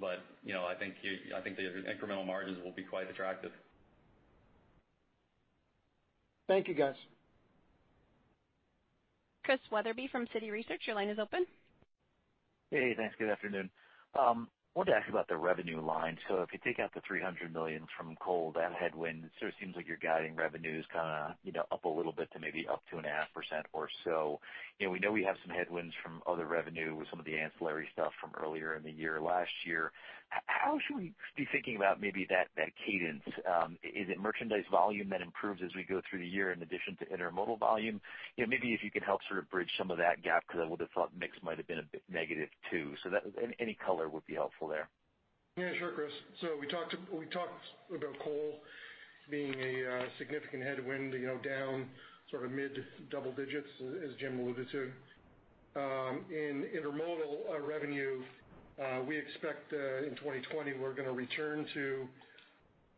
I think the incremental margins will be quite attractive. Thank you, guys. Chris Wetherbee from Citi Research, your line is open. Hey, thanks. Good afternoon. I wanted to ask you about the revenue line. If you take out the $300 million from coal, that headwind, it sort of seems like you're guiding revenues up a little bit to maybe up to 0.5% or so. We know we have some headwinds from other revenue with some of the ancillary stuff from earlier in the year, last year. How should we be thinking about maybe that cadence? Is it merchandise volume that improves as we go through the year in addition to intermodal volume? Maybe if you could help sort of bridge some of that gap, because I would have thought mix might have been a bit negative, too. Any color would be helpful there. Sure, Chris. We talked about coal being a significant headwind down mid-double digits, as Jim alluded to. In intermodal revenue, we expect, in 2020, we're going to return to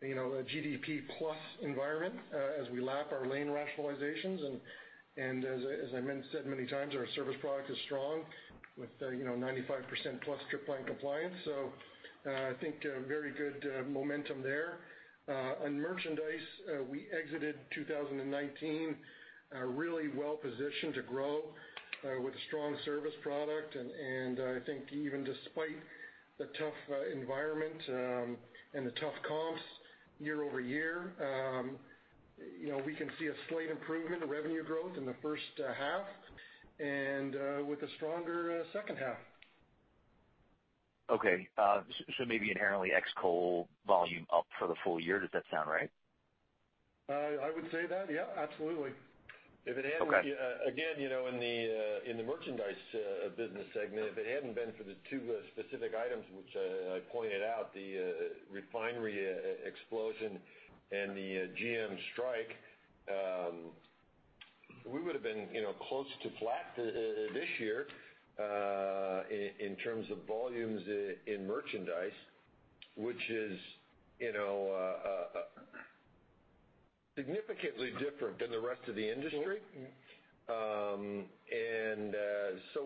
a GDP plus environment as we lap our lane rationalizations. As I said many times, our service product is strong with 95%+ trip plan performance. I think very good momentum there. On merchandise, we exited 2019 really well positioned to grow with a strong service product. I think even despite the tough environment and the tough comps year-over-year, we can see a slight improvement in revenue growth in the first half and with a stronger second half. Okay. Maybe inherently ex-coal volume up for the full year. Does that sound right? I would say that. Yeah, absolutely. Okay. Again, in the merchandise business segment, if it hadn't been for the two specific items, which I pointed out, the refinery explosion and the GM strike, we would have been close to flat this year in terms of volumes in merchandise, which is significantly different than the rest of the industry.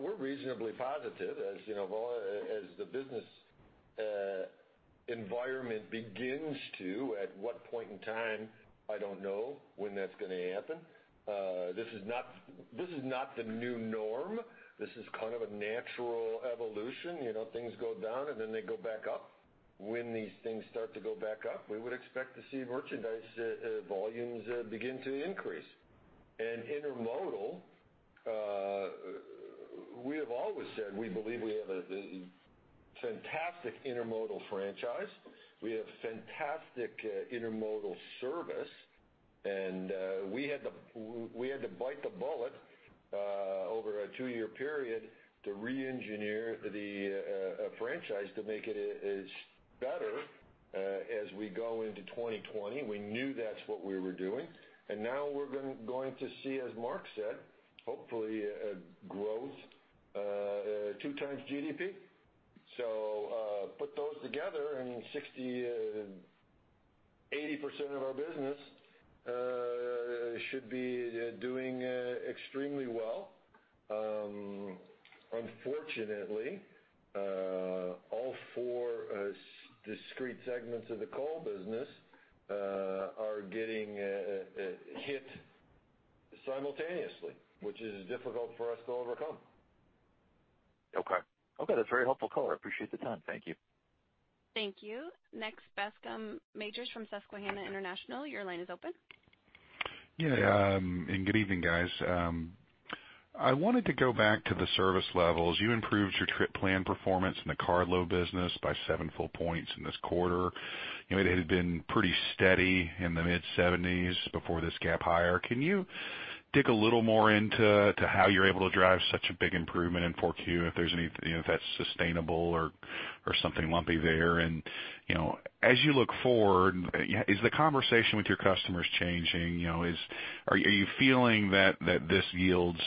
We're reasonably positive as the business environment begins to, at what point in time, I don't know when that's going to happen. This is not the new norm. This is kind of a natural evolution. Things go down and then they go back up. When these things start to go back up, we would expect to see merchandise volumes begin to increase. Intermodal, we have always said we believe we have a fantastic intermodal franchise. We have fantastic intermodal service, and we had to bite the bullet over a two-year period to re-engineer the franchise to make it better as we go into 2020. We knew that's what we were doing. Now we're going to see, as Mark said, hopefully a growth two times GDP. Put those together and 60%-80% of our business should be doing extremely well. Unfortunately, all four discrete segments of the coal business are getting hit simultaneously, which is difficult for us to overcome. Okay. That's very helpful color. I appreciate the time. Thank you. Thank you. Next, Bascome Majors from Susquehanna International, your line is open. Good evening, guys. I wanted to go back to the service levels. You improved your trip plan performance in the carload business by seven full points in this quarter. It had been pretty steady in the mid-70s before this gap higher. Can you dig a little more into how you're able to drive such a big improvement in Q4, if that's sustainable or something lumpy there? As you look forward, is the conversation with your customers changing? Are you feeling that this yields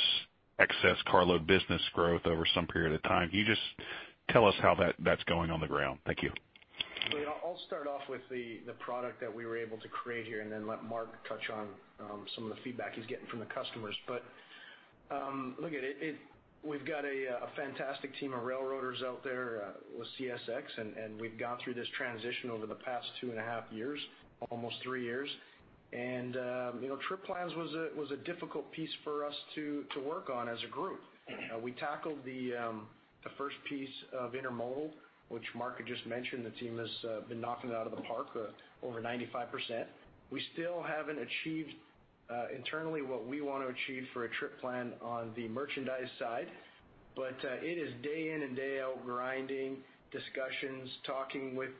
excess carload business growth over some period of time? Can you just tell us how that's going on the ground? Thank you. I'll start off with the product that we were able to create here, and then let Mark touch on some of the feedback he's getting from the customers. Look, we've got a fantastic team of railroaders out there with CSX, and we've gone through this transition over the past two and a half years, almost three years. Trip plans was a difficult piece for us to work on as a group. We tackled the first piece of intermodal, which Mark had just mentioned, the team has been knocking it out of the park, over 95%. We still haven't achieved Internally what we want to achieve for a trip plan on the merchandise side, but it is day in and day out grinding, discussions, talking with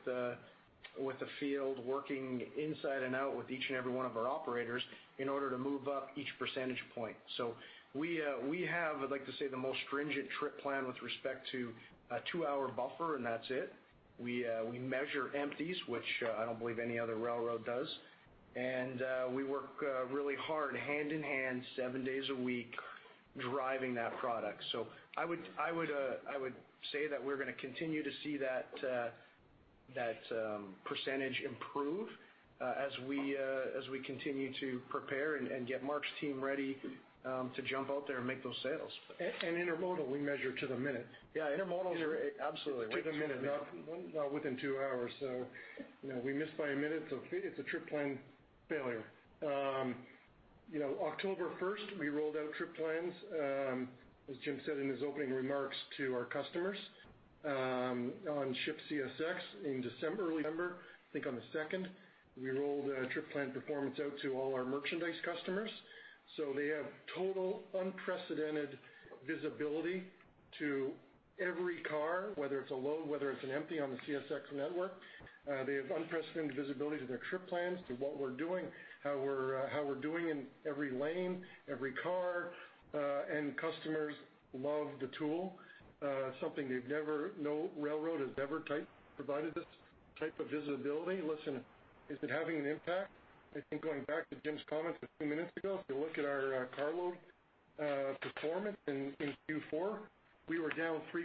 the field, working inside and out with each and every one of our operators in order to move up each percentage point. We have, I'd like to say, the most stringent trip plan with respect to a two-hour buffer, and that's it. We measure empties, which I don't believe any other railroad does, and we work really hard hand-in-hand, seven days a week, driving that product. I would say that we're going to continue to see that percentage improve as we continue to prepare and get Mark's team ready to jump out there and make those sales. Intermodal, we measure to the minute. Yeah, intermodal is absolutely right to the minute. To the minute, not within two hours. If we miss by a minute, it's a trip plan failure. October 1st, we rolled out trip plans, as Jim said in his opening remarks to our customers on ShipCSX in early December, I think on the 2nd, we rolled our trip plan performance out to all our merchandise customers. They have total unprecedented visibility to every car, whether it's a load, whether it's an empty on the CSX network. They have unprecedented visibility to their trip plans, to what we're doing, how we're doing in every lane, every car. Customers love the tool. Something no railroad has ever provided this type of visibility. Listen, is it having an impact? I think going back to Jim's comments a few minutes ago, if you look at our car load performance in Q4, we were down 3%,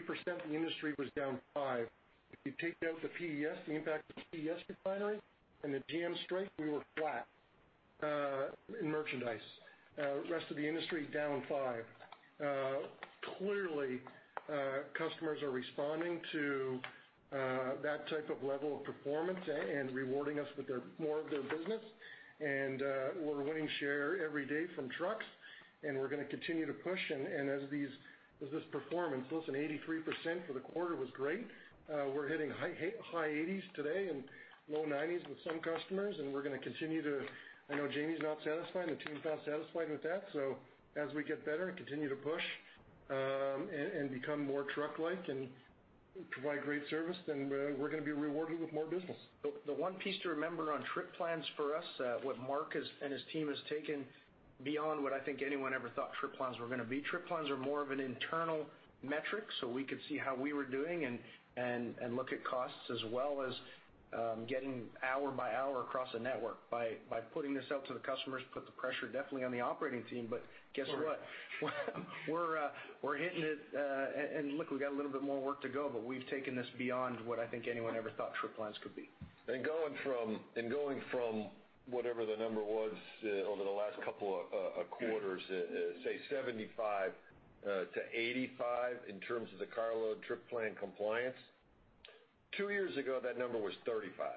the industry was down 5%. If you take out the PES, the impact of the PES refinery and the GM strike, we were flat in merchandise. Rest of the industry down 5%. Clearly, customers are responding to that type of level of performance and rewarding us with more of their business. We're winning share every day from trucks. We're going to continue to push. As this performance, listen, 83% for the quarter was great. We're hitting high 80s today and low 90s with some customers. We're going to continue to. I know Jamie's not satisfied. The team's not satisfied with that. As we get better and continue to push and become more truck-like and provide great service, then we're going to be rewarded with more business. The one piece to remember on trip plans for us, what Mark and his team has taken beyond what I think anyone ever thought trip plans were going to be. Trip plans are more of an internal metric, so we could see how we were doing and look at costs as well as getting hour by hour across a network. By putting this out to the customers, put the pressure definitely on the operating team, but guess what? We're hitting it, and look, we got a little bit more work to go, but we've taken this beyond what I think anyone ever thought trip plans could be. Going from whatever the number was over the last couple of quarters, say 75%-85% in terms of the carload trip plan compliance. Two years ago, that number was 35%.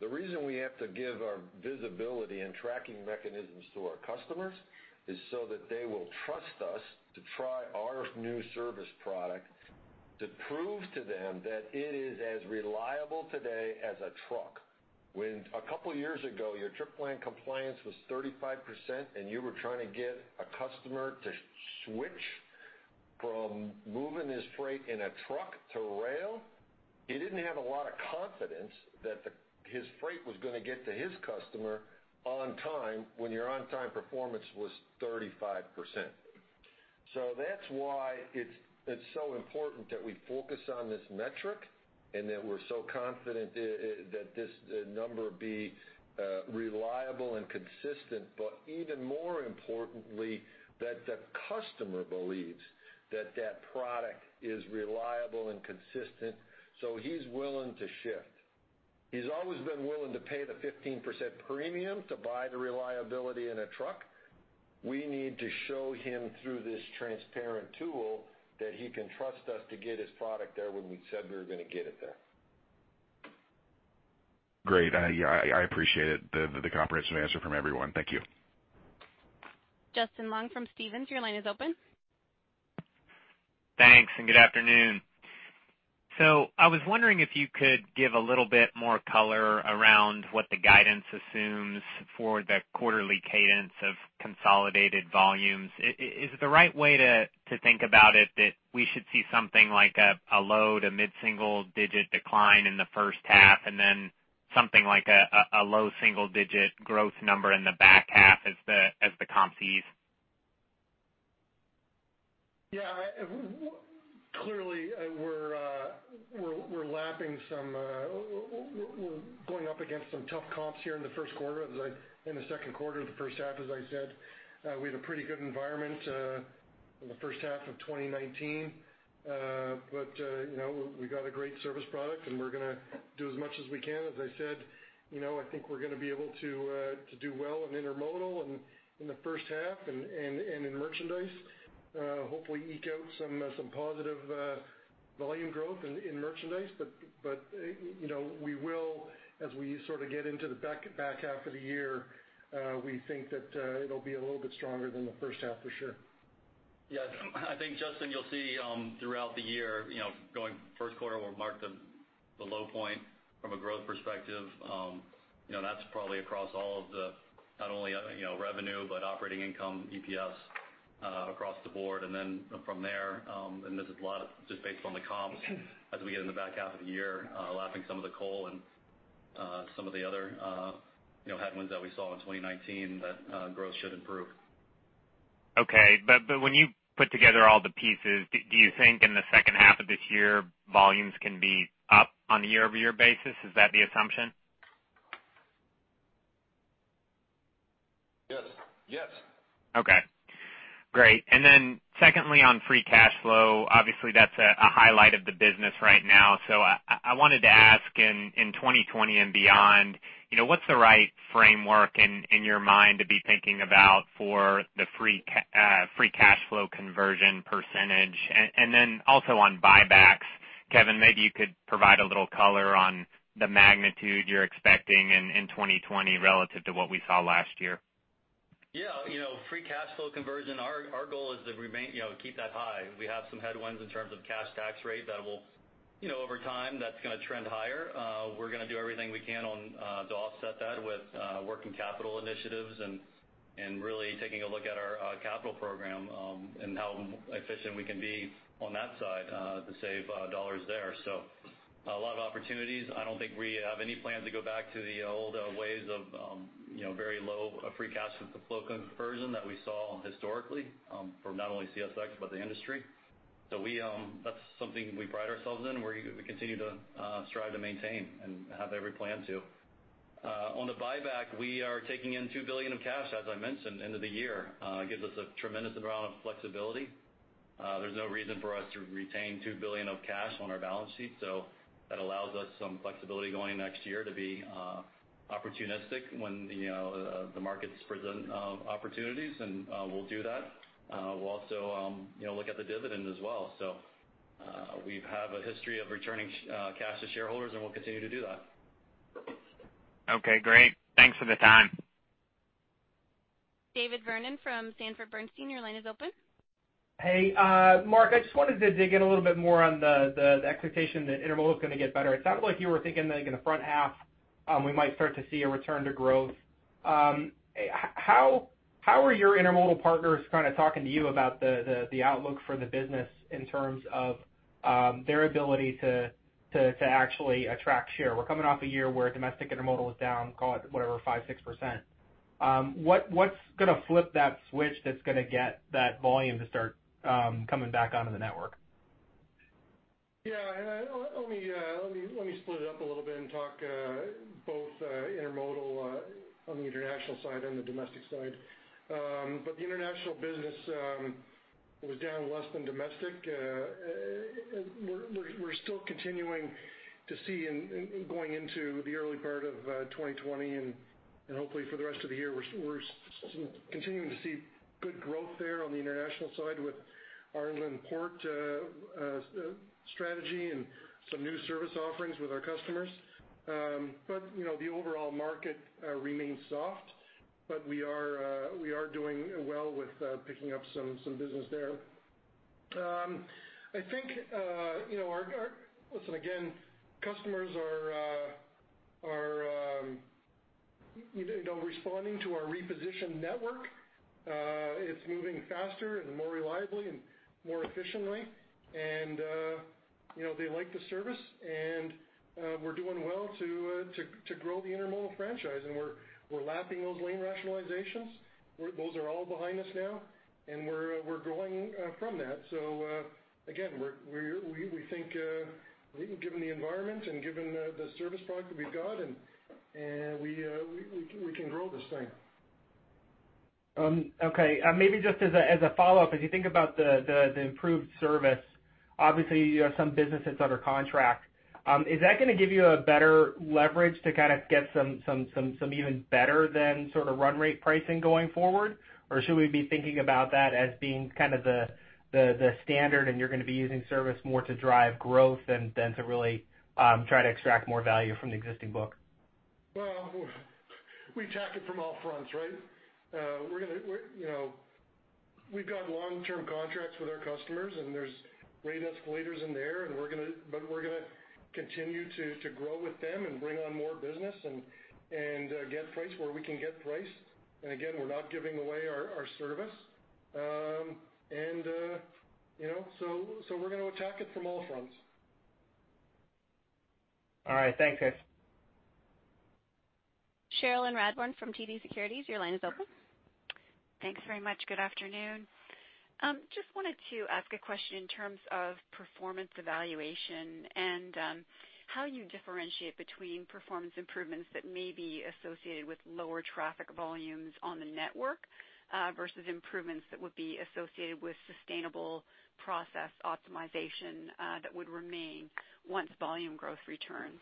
The reason we have to give our visibility and tracking mechanisms to our customers is so that they will trust us to try our new service product to prove to them that it is as reliable today as a truck. When a couple of years ago, your trip plan compliance was 35% and you were trying to get a customer to switch from moving his freight in a truck to rail, he didn't have a lot of confidence that his freight was going to get to his customer on time when your on-time performance was 35%. That's why it's so important that we focus on this metric and that we're so confident that this number be reliable and consistent, but even more importantly, that the customer believes that that product is reliable and consistent. He's willing to shift. He's always been willing to pay the 15% premium to buy the reliability in a truck. We need to show him through this transparent tool that he can trust us to get his product there when we said we were going to get it there. Great. I appreciate it, the comprehensive answer from everyone. Thank you. Justin Long from Stephens, your line is open. Thanks, and good afternoon. I was wondering if you could give a little bit more color around what the guidance assumes for the quarterly cadence of consolidated volumes. Is the right way to think about it that we should see something like a low to mid-single digit decline in the first half and then something like a low single-digit growth number in the back half as the comps ease? Yeah. Clearly, we're going up against some tough comps here in the first quarter, in the second quarter, the first half, as I said. We had a pretty good environment in the first half of 2019. We got a great service product, and we're going to do as much as we can. As I said, I think we're going to be able to do well in intermodal and in the first half and in merchandise. Hopefully eke out some positive volume growth in merchandise, but we will, as we sort of get into the back half of the year, we think that it'll be a little bit stronger than the first half for sure. Yes. I think, Justin, you'll see throughout the year, going first quarter will mark the low point from a growth perspective. That's probably across all of the, not only revenue, but operating income, EPS across the board. From there, and this is a lot just based on the comps as we get in the back half of the year, lapping some of the coal and some of the other headwinds that we saw in 2019, that growth should improve. Okay. When you put together all the pieces, do you think in the second half of this year, volumes can be up on a year-over-year basis? Is that the assumption? Yes. Okay, great. Secondly, on free cash flow, obviously, that's a highlight of the business right now. I wanted to ask, in 2020 and beyond, what's the right framework in your mind to be thinking about for the free cash flow conversion percentage? Also on buybacks, Kevin, maybe you could provide a little color on the magnitude you're expecting in 2020 relative to what we saw last year. Free cash flow conversion, our goal is to keep that high. We have some headwinds in terms of cash tax rate that over time, that's going to trend higher. We're going to do everything we can to offset that with working capital initiatives and really taking a look at our capital program, and how efficient we can be on that side to save dollars there. A lot of opportunities. I don't think we have any plans to go back to the old ways of very low free cash flow conversion that we saw historically, for not only CSX, but the industry. That's something we pride ourselves in, we continue to strive to maintain and have every plan to. On the buyback, we are taking in $2 billion of cash, as I mentioned, end of the year. Gives us a tremendous amount of flexibility. There's no reason for us to retain $2 billion of cash on our balance sheet. That allows us some flexibility going next year to be opportunistic when the markets present opportunities, and we'll do that. We'll also look at the dividend as well. We have a history of returning cash to shareholders, and we'll continue to do that. Okay, great. Thanks for the time. David Vernon from Sanford Bernstein, your line is open. Hey, Mark, I just wanted to dig in a little bit more on the expectation that Intermodal is going to get better. It sounded like you were thinking, like in the front half, we might start to see a return to growth. How are your Intermodal partners talking to you about the outlook for the business in terms of their ability to actually attract share? We're coming off a year where domestic Intermodal is down, call it, whatever, 5%, 6%. What's going to flip that switch that's going to get that volume to start coming back onto the network? Yeah. Let me split it up a little bit and talk both intermodal on the international side and the domestic side. The international business was down less than domestic. We're still continuing to see, going into the early part of 2020 and hopefully for the rest of the year, we're continuing to see good growth there on the international side with our inland port strategy and some new service offerings with our customers. The overall market remains soft, but we are doing well with picking up some business there. Listen again, customers are responding to our repositioned network. It's moving faster and more reliably and more efficiently. They like the service and we're doing well to grow the Intermodal franchise. We're lapping those lane rationalizations. Those are all behind us now, and we're growing from that. Again, we think given the environment and given the service product that we've got, we can grow this thing. Okay. Maybe just as a follow-up, as you think about the improved service, obviously, you have some businesses that are contract. Is that going to give you a better leverage to get some even better than sort of run rate pricing going forward? Should we be thinking about that as being the standard and you're going to be using service more to drive growth than to really try to extract more value from the existing book? Well, we attack it from all fronts, right. We've got long-term contracts with our customers, and there's rate escalators in there, but we're going to continue to grow with them and bring on more business and get price where we can get price. Again, we're not giving away our service. We're going to attack it from all fronts. All right. Thanks, guys. Cherilyn Radbourne from TD Securities, your line is open. Thanks very much. Good afternoon. Just wanted to ask a question in terms of performance evaluation and how you differentiate between performance improvements that may be associated with lower traffic volumes on the network versus improvements that would be associated with sustainable process optimization that would remain once volume growth returns?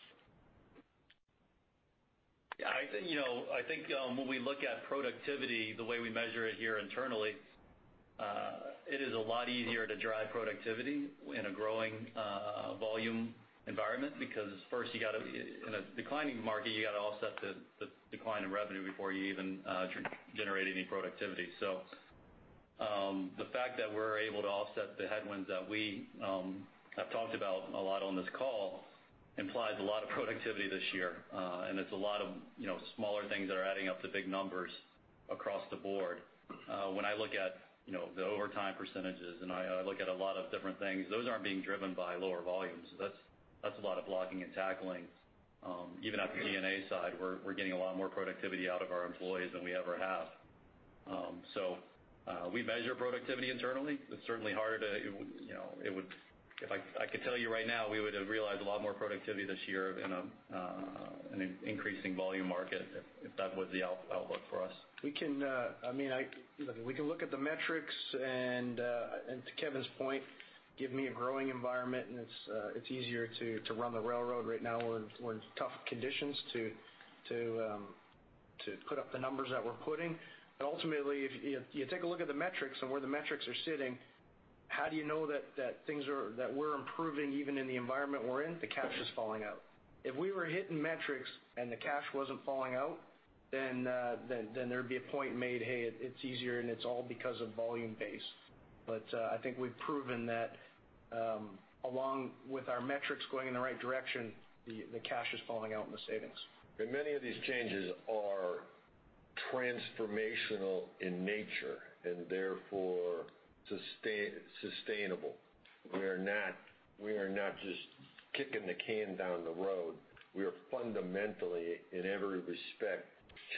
Yeah, I think when we look at productivity, the way we measure it here internally, it is a lot easier to drive productivity in a growing volume environment because first in a declining market, you have to offset the decline in revenue before you even generate any productivity. The fact that we're able to offset the headwinds that we have talked about a lot on this call implies a lot of productivity this year, and it's a lot of smaller things that are adding up to big numbers across the board. When I look at the overtime percentages, and I look at a lot of different things, those aren't being driven by lower volumes. That's a lot of blocking and tackling. Even on the D&A side, we're getting a lot more productivity out of our employees than we ever have. We measure productivity internally. It's certainly harder. If I could tell you right now, we would have realized a lot more productivity this year in an increasing volume market if that was the outlook for us. We can look at the metrics, and to Kevin's point, give me a growing environment, and it's easier to run the railroad. Right now, we're in tough conditions to put up the numbers that we're putting. Ultimately, if you take a look at the metrics and where the metrics are sitting, how do you know that we're improving even in the environment we're in? The cash is falling out. If we were hitting metrics and the cash wasn't falling out, then there'd be a point made, "Hey, it's easier, and it's all because of volume base." I think we've proven that along with our metrics going in the right direction, the cash is falling out in the savings. Many of these changes are transformational in nature and therefore sustainable. We are not just kicking the can down the road. We are fundamentally, in every respect,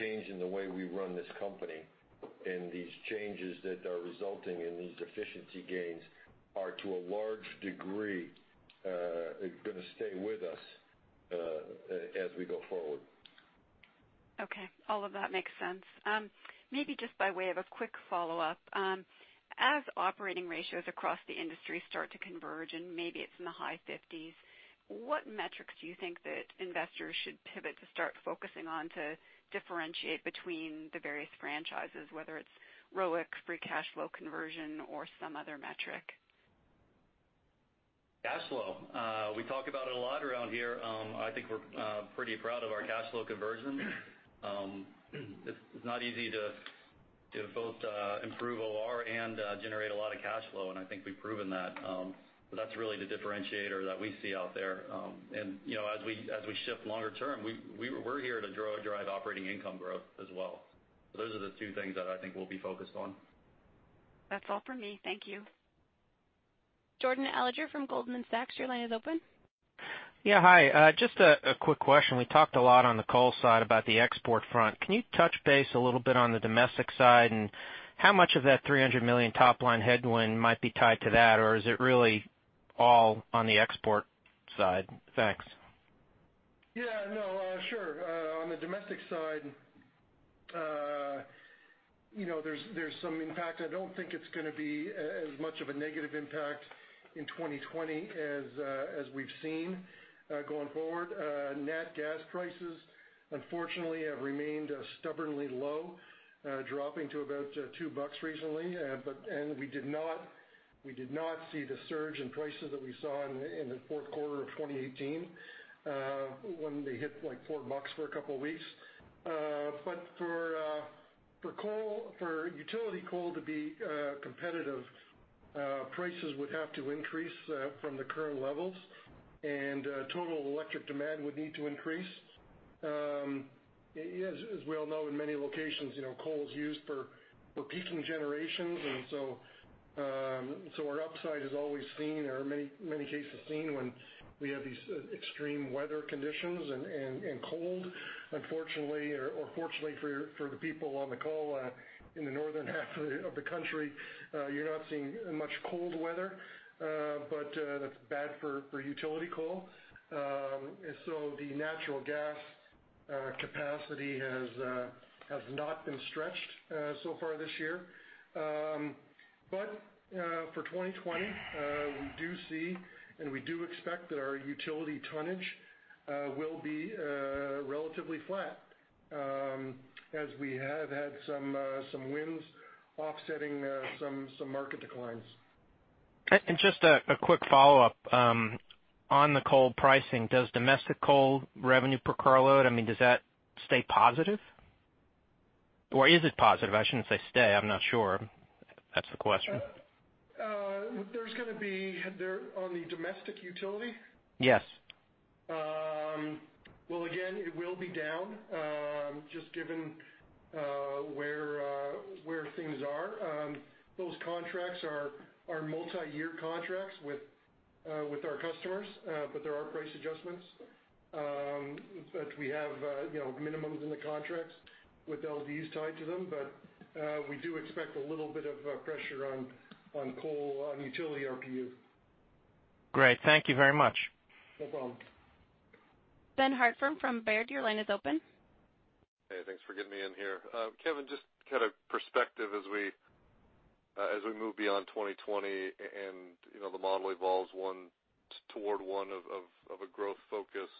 changing the way we run this company, and these changes that are resulting in these efficiency gains are to a large degree going to stay with us as we go forward. Okay. All of that makes sense. Maybe just by way of a quick follow-up. As operating ratios across the industry start to converge, and maybe it's in the high 50s, what metrics do you think that investors should pivot to start focusing on to differentiate between the various franchises, whether it's ROIC, free cash flow conversion, or some other metric? Cash flow. We talk about it a lot around here. I think we're pretty proud of our cash flow conversion. It's not easy to both improve OR and generate a lot of cash flow, and I think we've proven that. That's really the differentiator that we see out there. As we shift longer term, we're here to drive operating income growth as well. Those are the two things that I think we'll be focused on. That's all for me. Thank you. Jordan Alliger from Goldman Sachs, your line is open. Yeah, hi. Just a quick question. We talked a lot on the call side about the export front. Can you touch base a little bit on the domestic side, and how much of that $300 million top-line headwind might be tied to that? Is it really all on the export side? Thanks. Yeah. Sure. On the domestic side, there's some impact, I don't think there's gonna be as much negative impact in 2020 as we've seen, going forward. Nat gas prices, unfortunately, have remained stubbornly low, dropping to about $2 recently. We did not see the surge in prices that we saw in the fourth quarter of 2018, when they hit $4 for a couple of weeks. For utility coal to be competitive, prices would have to increase from the current levels, and total electric demand would need to increase. As we all know, in many locations, coal is used for peaking generations, and so our upside is always seen, or in many cases seen when we have these extreme weather conditions and cold. Unfortunately or fortunately for the people on the call in the northern half of the country, you're not seeing much cold weather, but that's bad for utility coal. The natural gas capacity has not been stretched so far this year. For 2020, we do see and we do expect that our utility tonnage will be relatively flat as we have had some wins offsetting some market declines. Just a quick follow-up on the coal pricing, does domestic coal revenue per car load, does that stay positive? Or is it positive? I shouldn't say stay. I'm not sure. That's the question. On the domestic utility? Yes. Well, again, it will be down, just given where things are. Those contracts are multi-year contracts with our customers, but there are price adjustments. We have minimums in the contracts with LDs tied to them, but we do expect a little bit of pressure on coal, on utility RPU. Great. Thank you very much. No problem. Ben Hartford from Baird, your line is open. Hey, thanks for getting me in here. Kevin, just kind of perspective as we move beyond 2020 and the model evolves toward one of a growth focus.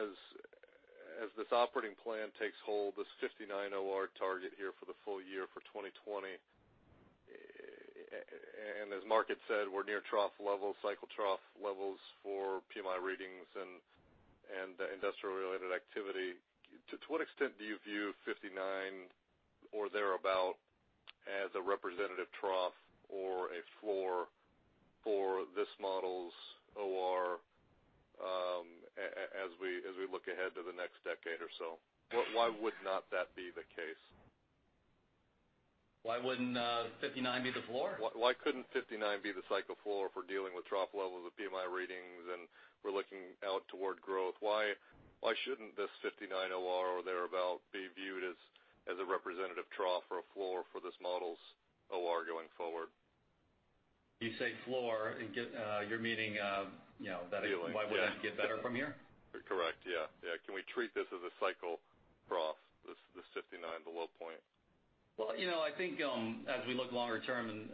As this operating plan takes hold, this 59 OR target here for the full year for 2020. As Mark said, we're near trough levels, cycle trough levels for PMI readings and industrial-related activity. To what extent do you view 59% OR or thereabout as a representative trough or a floor for this model's OR as we look ahead to the next decade or so? Why would not that be the case? Why wouldn't 59% be the floor? Why couldn't 59% be the cycle floor if we're dealing with trough levels of PMI readings and we're looking out toward growth? Why shouldn't this 59% OR thereabout be viewed as a representative trough or a floor for this model's OR going forward? You say floor, you're meaning? Ceiling, yeah. Why wouldn't it get better from here? Correct. Yeah. Can we treat this as a cycle trough, this 59%, the low point? I think as we look longer term, and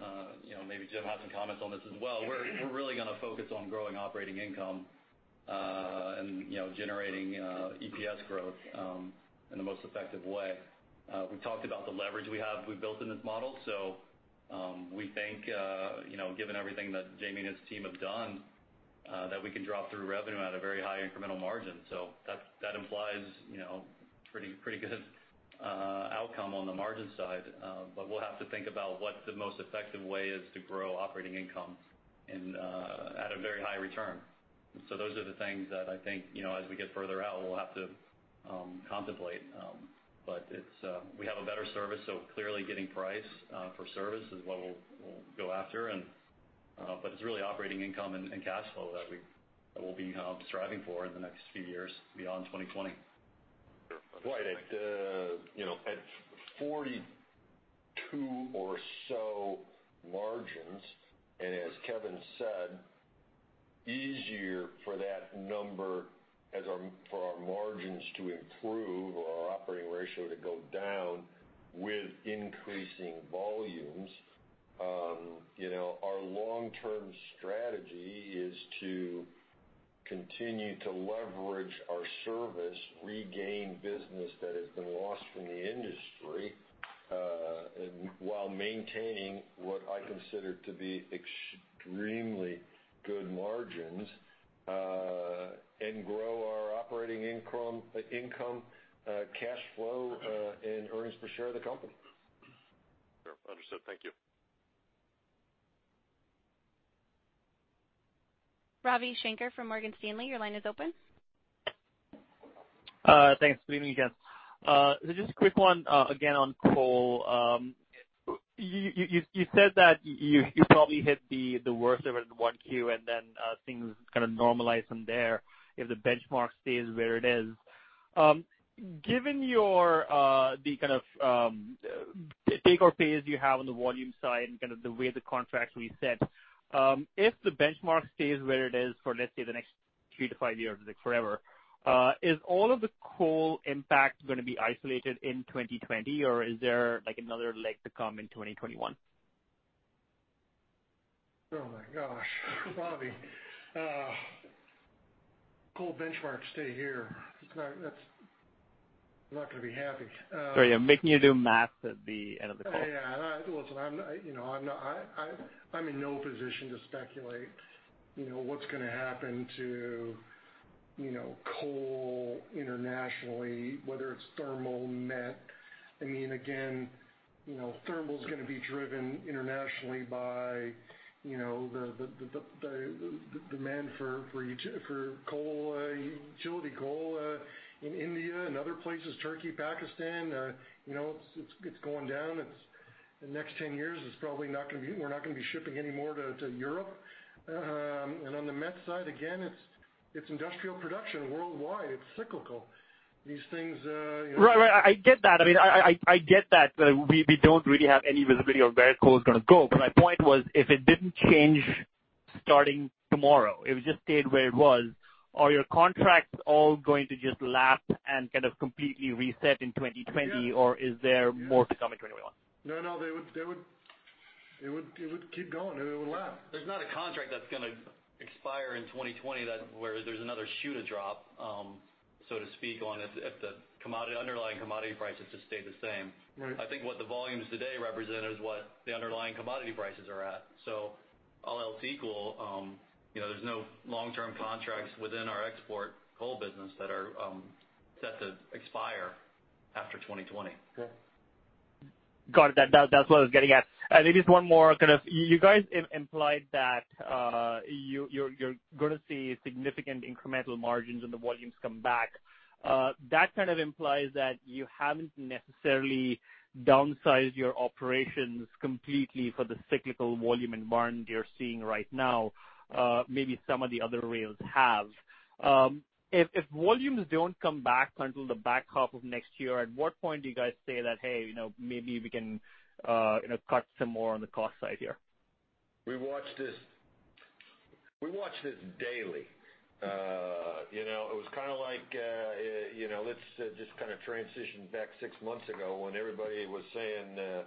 maybe Jim has some comments on this as well, we're really going to focus on growing operating income, and generating EPS growth in the most effective way. We've talked about the leverage we have, we've built in this model. We think given everything that Jamie and his team have done, that we can drop through revenue at a very high incremental margin. That implies pretty good outcome on the margin side. We'll have to think about what the most effective way is to grow operating income and at a very high return. Those are the things that I think, as we get further out, we'll have to contemplate. We have a better service, so clearly getting price for service is what we'll go after. It's really operating income and cash flow that we'll be striving for in the next few years beyond 2020. Sure. Right. At 42% or so margins, as Kevin said, easier for that number as for our margins to improve or our operating ratio to go down with increasing volumes. Our long-term strategy is to continue to leverage our service, regain business that has been lost from the industry, while maintaining what I consider to be extremely good margins, and grow our operating income, cash flow, and earnings per share of the company. Sure. Understood. Thank you. Ravi Shanker from Morgan Stanley, your line is open. Thanks. Good evening again. Just a quick one again on coal. You said that you probably hit the worst of it in 1Q, and then things kind of normalize from there if the benchmark stays where it is. Given your take or pay as you have on the volume side and kind of the way the contracts reset. If the benchmark stays where it is for, let's say, the next three to five years, like forever, is all of the coal impact going to be isolated in 2020 or is there another leg to come in 2021? Oh my gosh, Ravi. Coal benchmarks stay here. I'm not going to be happy. Sorry, I'm making you do math at the end of the call. Yeah. Listen, I'm in no position to speculate what's going to happen to coal internationally, whether it's thermal, met. Thermal's going to be driven internationally by the demand for coal, utility coal in India and other places, Turkey, Pakistan. It's going down. The next 10 years we're not going to be shipping any more to Europe. On the met side, again it's industrial production worldwide. It's cyclical. Right. I get that. I get that we don't really have any visibility of where coal is going to go. My point was, if it didn't change starting tomorrow, it just stayed where it was, are your contracts all going to just lapse and kind of completely reset in 2020? Yes. Is there more to come in 2021? No, they would keep going. It would lapse. There's not a contract that's going to expire in 2020 that where there's another shoe to drop so to speak on if the underlying commodity prices just stay the same. Right. I think what the volumes today represent is what the underlying commodity prices are at. All else equal, there's no long-term contracts within our export coal business that are set to expire after 2020. Okay. Got it. That's what I was getting at. Maybe just one more. You guys implied that you're going to see significant incremental margins when the volumes come back. That kind of implies that you haven't necessarily downsized your operations completely for the cyclical volume environment you're seeing right now. Maybe some of the other rails have. If volumes don't come back until the back half of next year, at what point do you guys say that, "Hey, maybe we can cut some more on the cost side here"? We watch this daily. It was kind of like let's just kind of transition back six months ago when everybody was saying, "Man,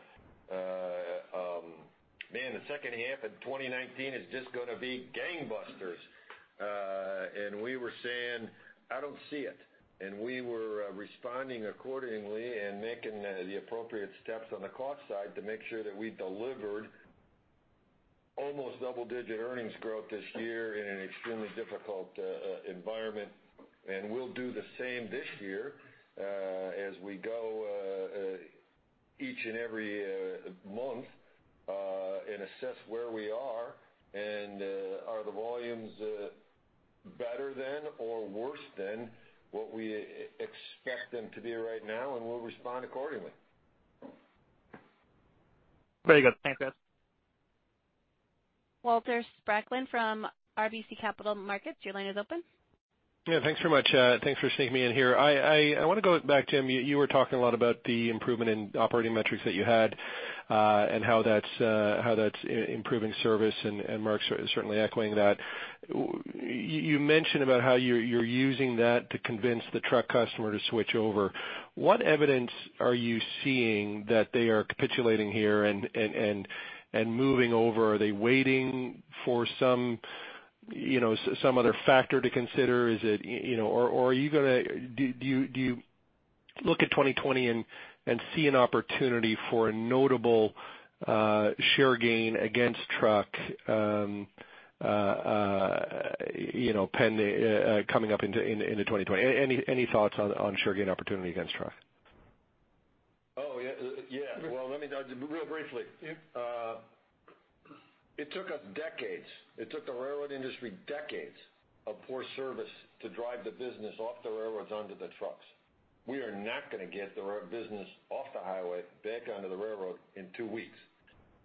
the second half of 2019 is just going to be gangbusters. We were saying, "I don't see it." We were responding accordingly and making the appropriate steps on the cost side to make sure that we delivered almost double-digit earnings growth this year in an extremely difficult environment. We'll do the same this year as we go each and every month and assess where we are and are the volumes better than, or worse than what we expect them to be right now, and we'll respond accordingly. Very good. Thanks, guys. Walter Spracklen from RBC Capital Markets, your line is open. Yeah, thanks very much. Thanks for sneaking me in here. I want to go back, Jim, you were talking a lot about the improvement in operating metrics that you had, and how that's improving service, and Mark's certainly echoing that. You mentioned about how you're using that to convince the truck customer to switch over. What evidence are you seeing that they are capitulating here and moving over? Are they waiting for some other factor to consider? Do you look at 2020 and see an opportunity for a notable share gain against truck coming up into 2020? Any thoughts on share gain opportunity against truck? Oh, yeah. Well, let me real briefly. Yeah. It took us decades. It took the railroad industry decades of poor service to drive the business off the railroads onto the trucks. We are not going to get the business off the highway back onto the railroad in two weeks.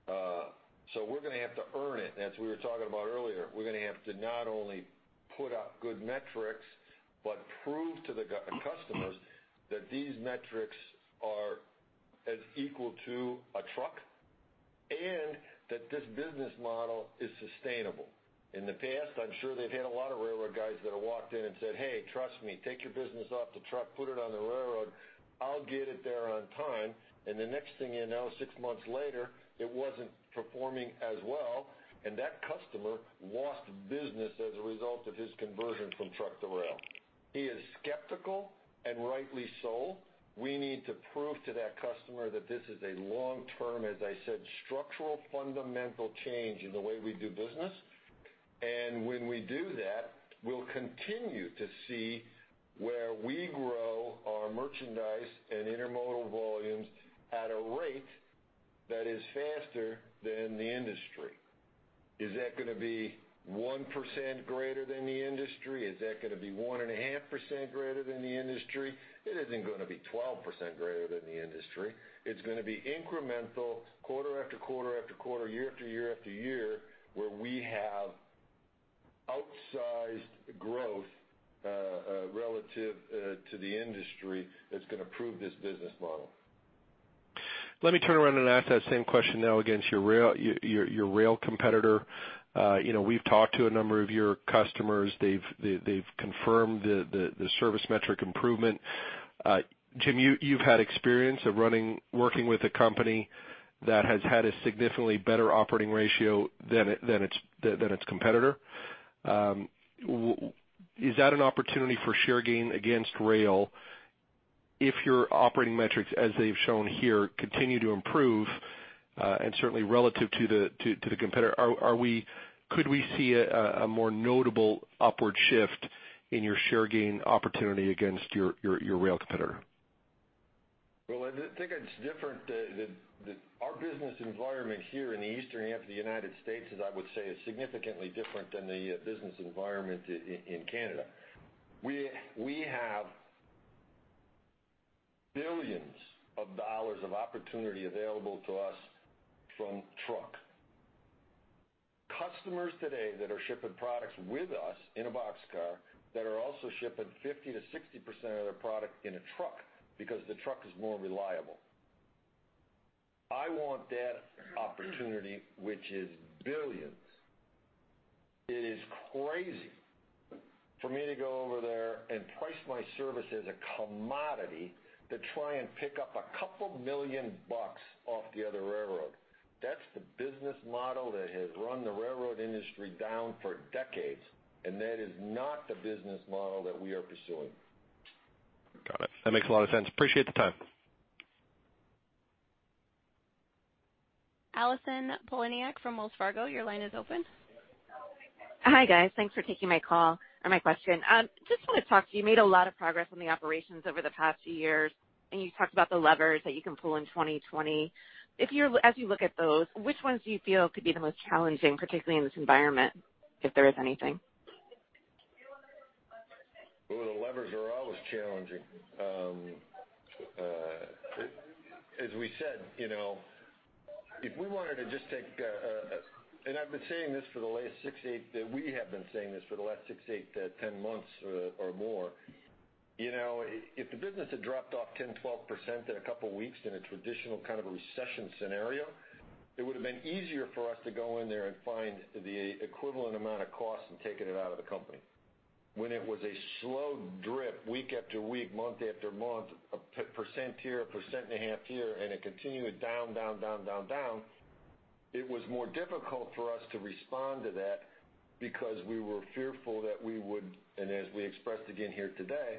We're going to have to earn it, as we were talking about earlier. We're going to have to not only put up good metrics, but prove to the customers that these metrics are as equal to a truck, and that this business model is sustainable. In the past, I'm sure they've had a lot of railroad guys that have walked in and said, "Hey, trust me, take your business off the truck, put it on the railroad. I'll get it there on time." The next thing you know, six months later, it wasn't performing as well, and that customer lost business as a result of his conversion from truck to rail. He is skeptical, and rightly so. We need to prove to that customer that this is a long-term, as I said, structural, fundamental change in the way we do business. When we do that, we'll continue to see where we grow our merchandise and intermodal volumes at a rate that is faster than the industry. Is that going to be 1% greater than the industry? Is that going to be 1.5% greater than the industry? It isn't going to be 12% greater than the industry. It's going to be incremental quarter after quarter after quarter, year after year after year, where we have outsized growth relative to the industry that's going to prove this business model. Let me turn around and ask that same question now against your rail competitor. We've talked to a number of your customers. They've confirmed the service metric improvement. Jim, you've had experience of working with a company that has had a significantly better operating ratio than its competitor. Is that an opportunity for share gain against rail if your operating metrics, as they've shown here, continue to improve and certainly relative to the competitor? Could we see a more notable upward shift in your share gain opportunity against your rail competitor? Well, I think it's different. Our business environment here in the Eastern half of the United States is, I would say, is significantly different than the business environment in Canada. We have billions of dollars of opportunity available to us from truck. Customers today that are shipping products with us in a boxcar that are also shipping 50%-60% of their product in a truck because the truck is more reliable. I want that opportunity, which is billions. It is crazy for me to go over there and price my service as a commodity to try and pick up a couple million dollars off the other railroad. That's the business model that has run the railroad industry down for decades, and that is not the business model that we are pursuing. Got it. That makes a lot of sense. Appreciate the time. Allison Poliniak from Wells Fargo, your line is open. Hi, guys. Thanks for taking my call or my question. Just want to talk to you. You made a lot of progress on the operations over the past few years, and you talked about the levers that you can pull in 2020. As you look at those, which ones do you feel could be the most challenging, particularly in this environment, if there is anything? Well, the levers are always challenging. As we said, we have been saying this for the last six, eight, 10 months or more. If the business had dropped off 10%, 12% in a couple of weeks in a traditional kind of a recession scenario, it would have been easier for us to go in there and find the equivalent amount of cost and taking it out of the company. When it was a slow drip week after week, month after month, a percent here, a percent and a half here, and it continued down, down. It was more difficult for us to respond to that because we were fearful that we would, and as we expressed again here today,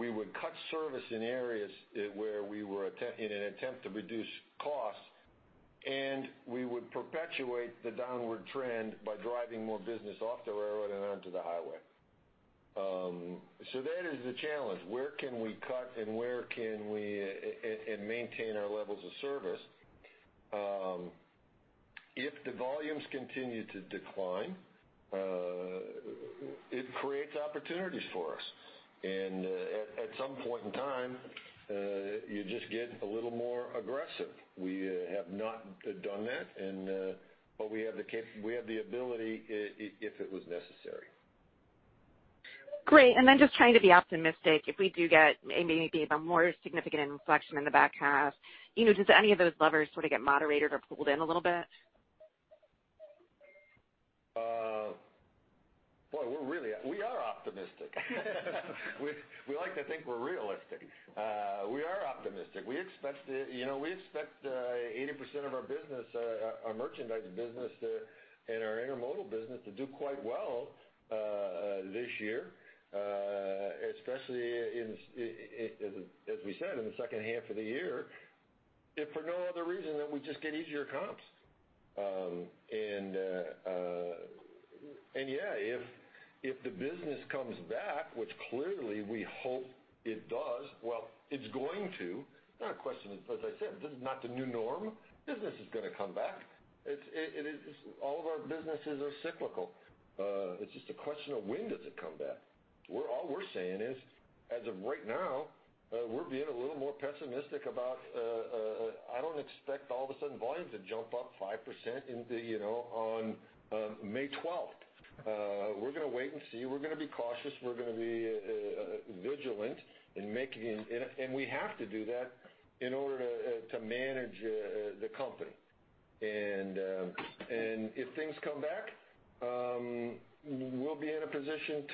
we would cut service in areas in an attempt to reduce costs, and we would perpetuate the downward trend by driving more business off the railroad and onto the highway. That is the challenge. Where can we cut and maintain our levels of service? If the volumes continue to decline, it creates opportunities for us. At some point in time, you just get a little more aggressive. We have not done that, we have the ability if it was necessary. Great. Just trying to be optimistic, if we do get maybe a more significant inflection in the back half, does any of those levers sort of get moderated or pulled in a little bit? Boy, we are optimistic. We like to think we're realistic. We are optimistic. We expect 80% of our merchandise business and our intermodal business to do quite well this year, especially, as we said, in the second half of the year, if for no other reason than we just get easier comps. Yeah, if the business comes back, which clearly we hope it does, well, it's going to. Not a question of, as I said, this is not the new norm. Business is going to come back. All of our businesses are cyclical. It's just a question of when does it come back. All we're saying is, as of right now, we're being a little more pessimistic about, I don't expect all of a sudden volume to jump up 5% on May 12th. We're going to wait and see. We're going to be cautious. We're going to be vigilant in making, and we have to do that in order to manage the company. If things come back, we'll be in a position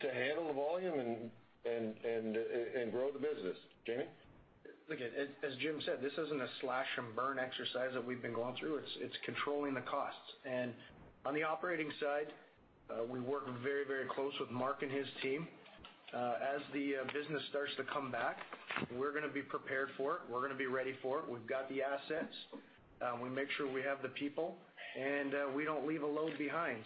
to handle the volume and grow the business. Jamie? Look, as Jim said, this isn't a slash-and-burn exercise that we've been going through. It's controlling the costs. On the operating side, we work very close with Mark and his team. As the business starts to come back, we're going to be prepared for it. We're going to be ready for it. We've got the assets. We make sure we have the people, and we don't leave a load behind.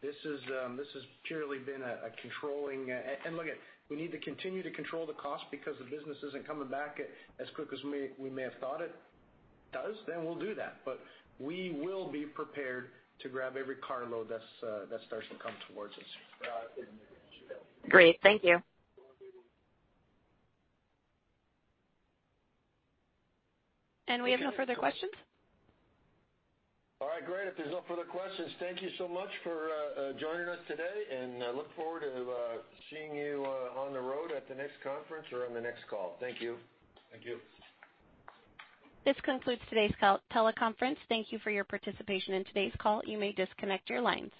This has purely been a controlling. Look, we need to continue to control the cost because the business isn't coming back as quick as we may have thought it does, then we'll do that. We will be prepared to grab every carload that starts to come towards us. Great. Thank you. We have no further questions. All right, great. If there's no further questions, thank you so much for joining us today, and I look forward to seeing you on the road at the next conference or on the next call. Thank you. Thank you. This concludes today's teleconference. Thank you for your participation in today's call. You may disconnect your lines.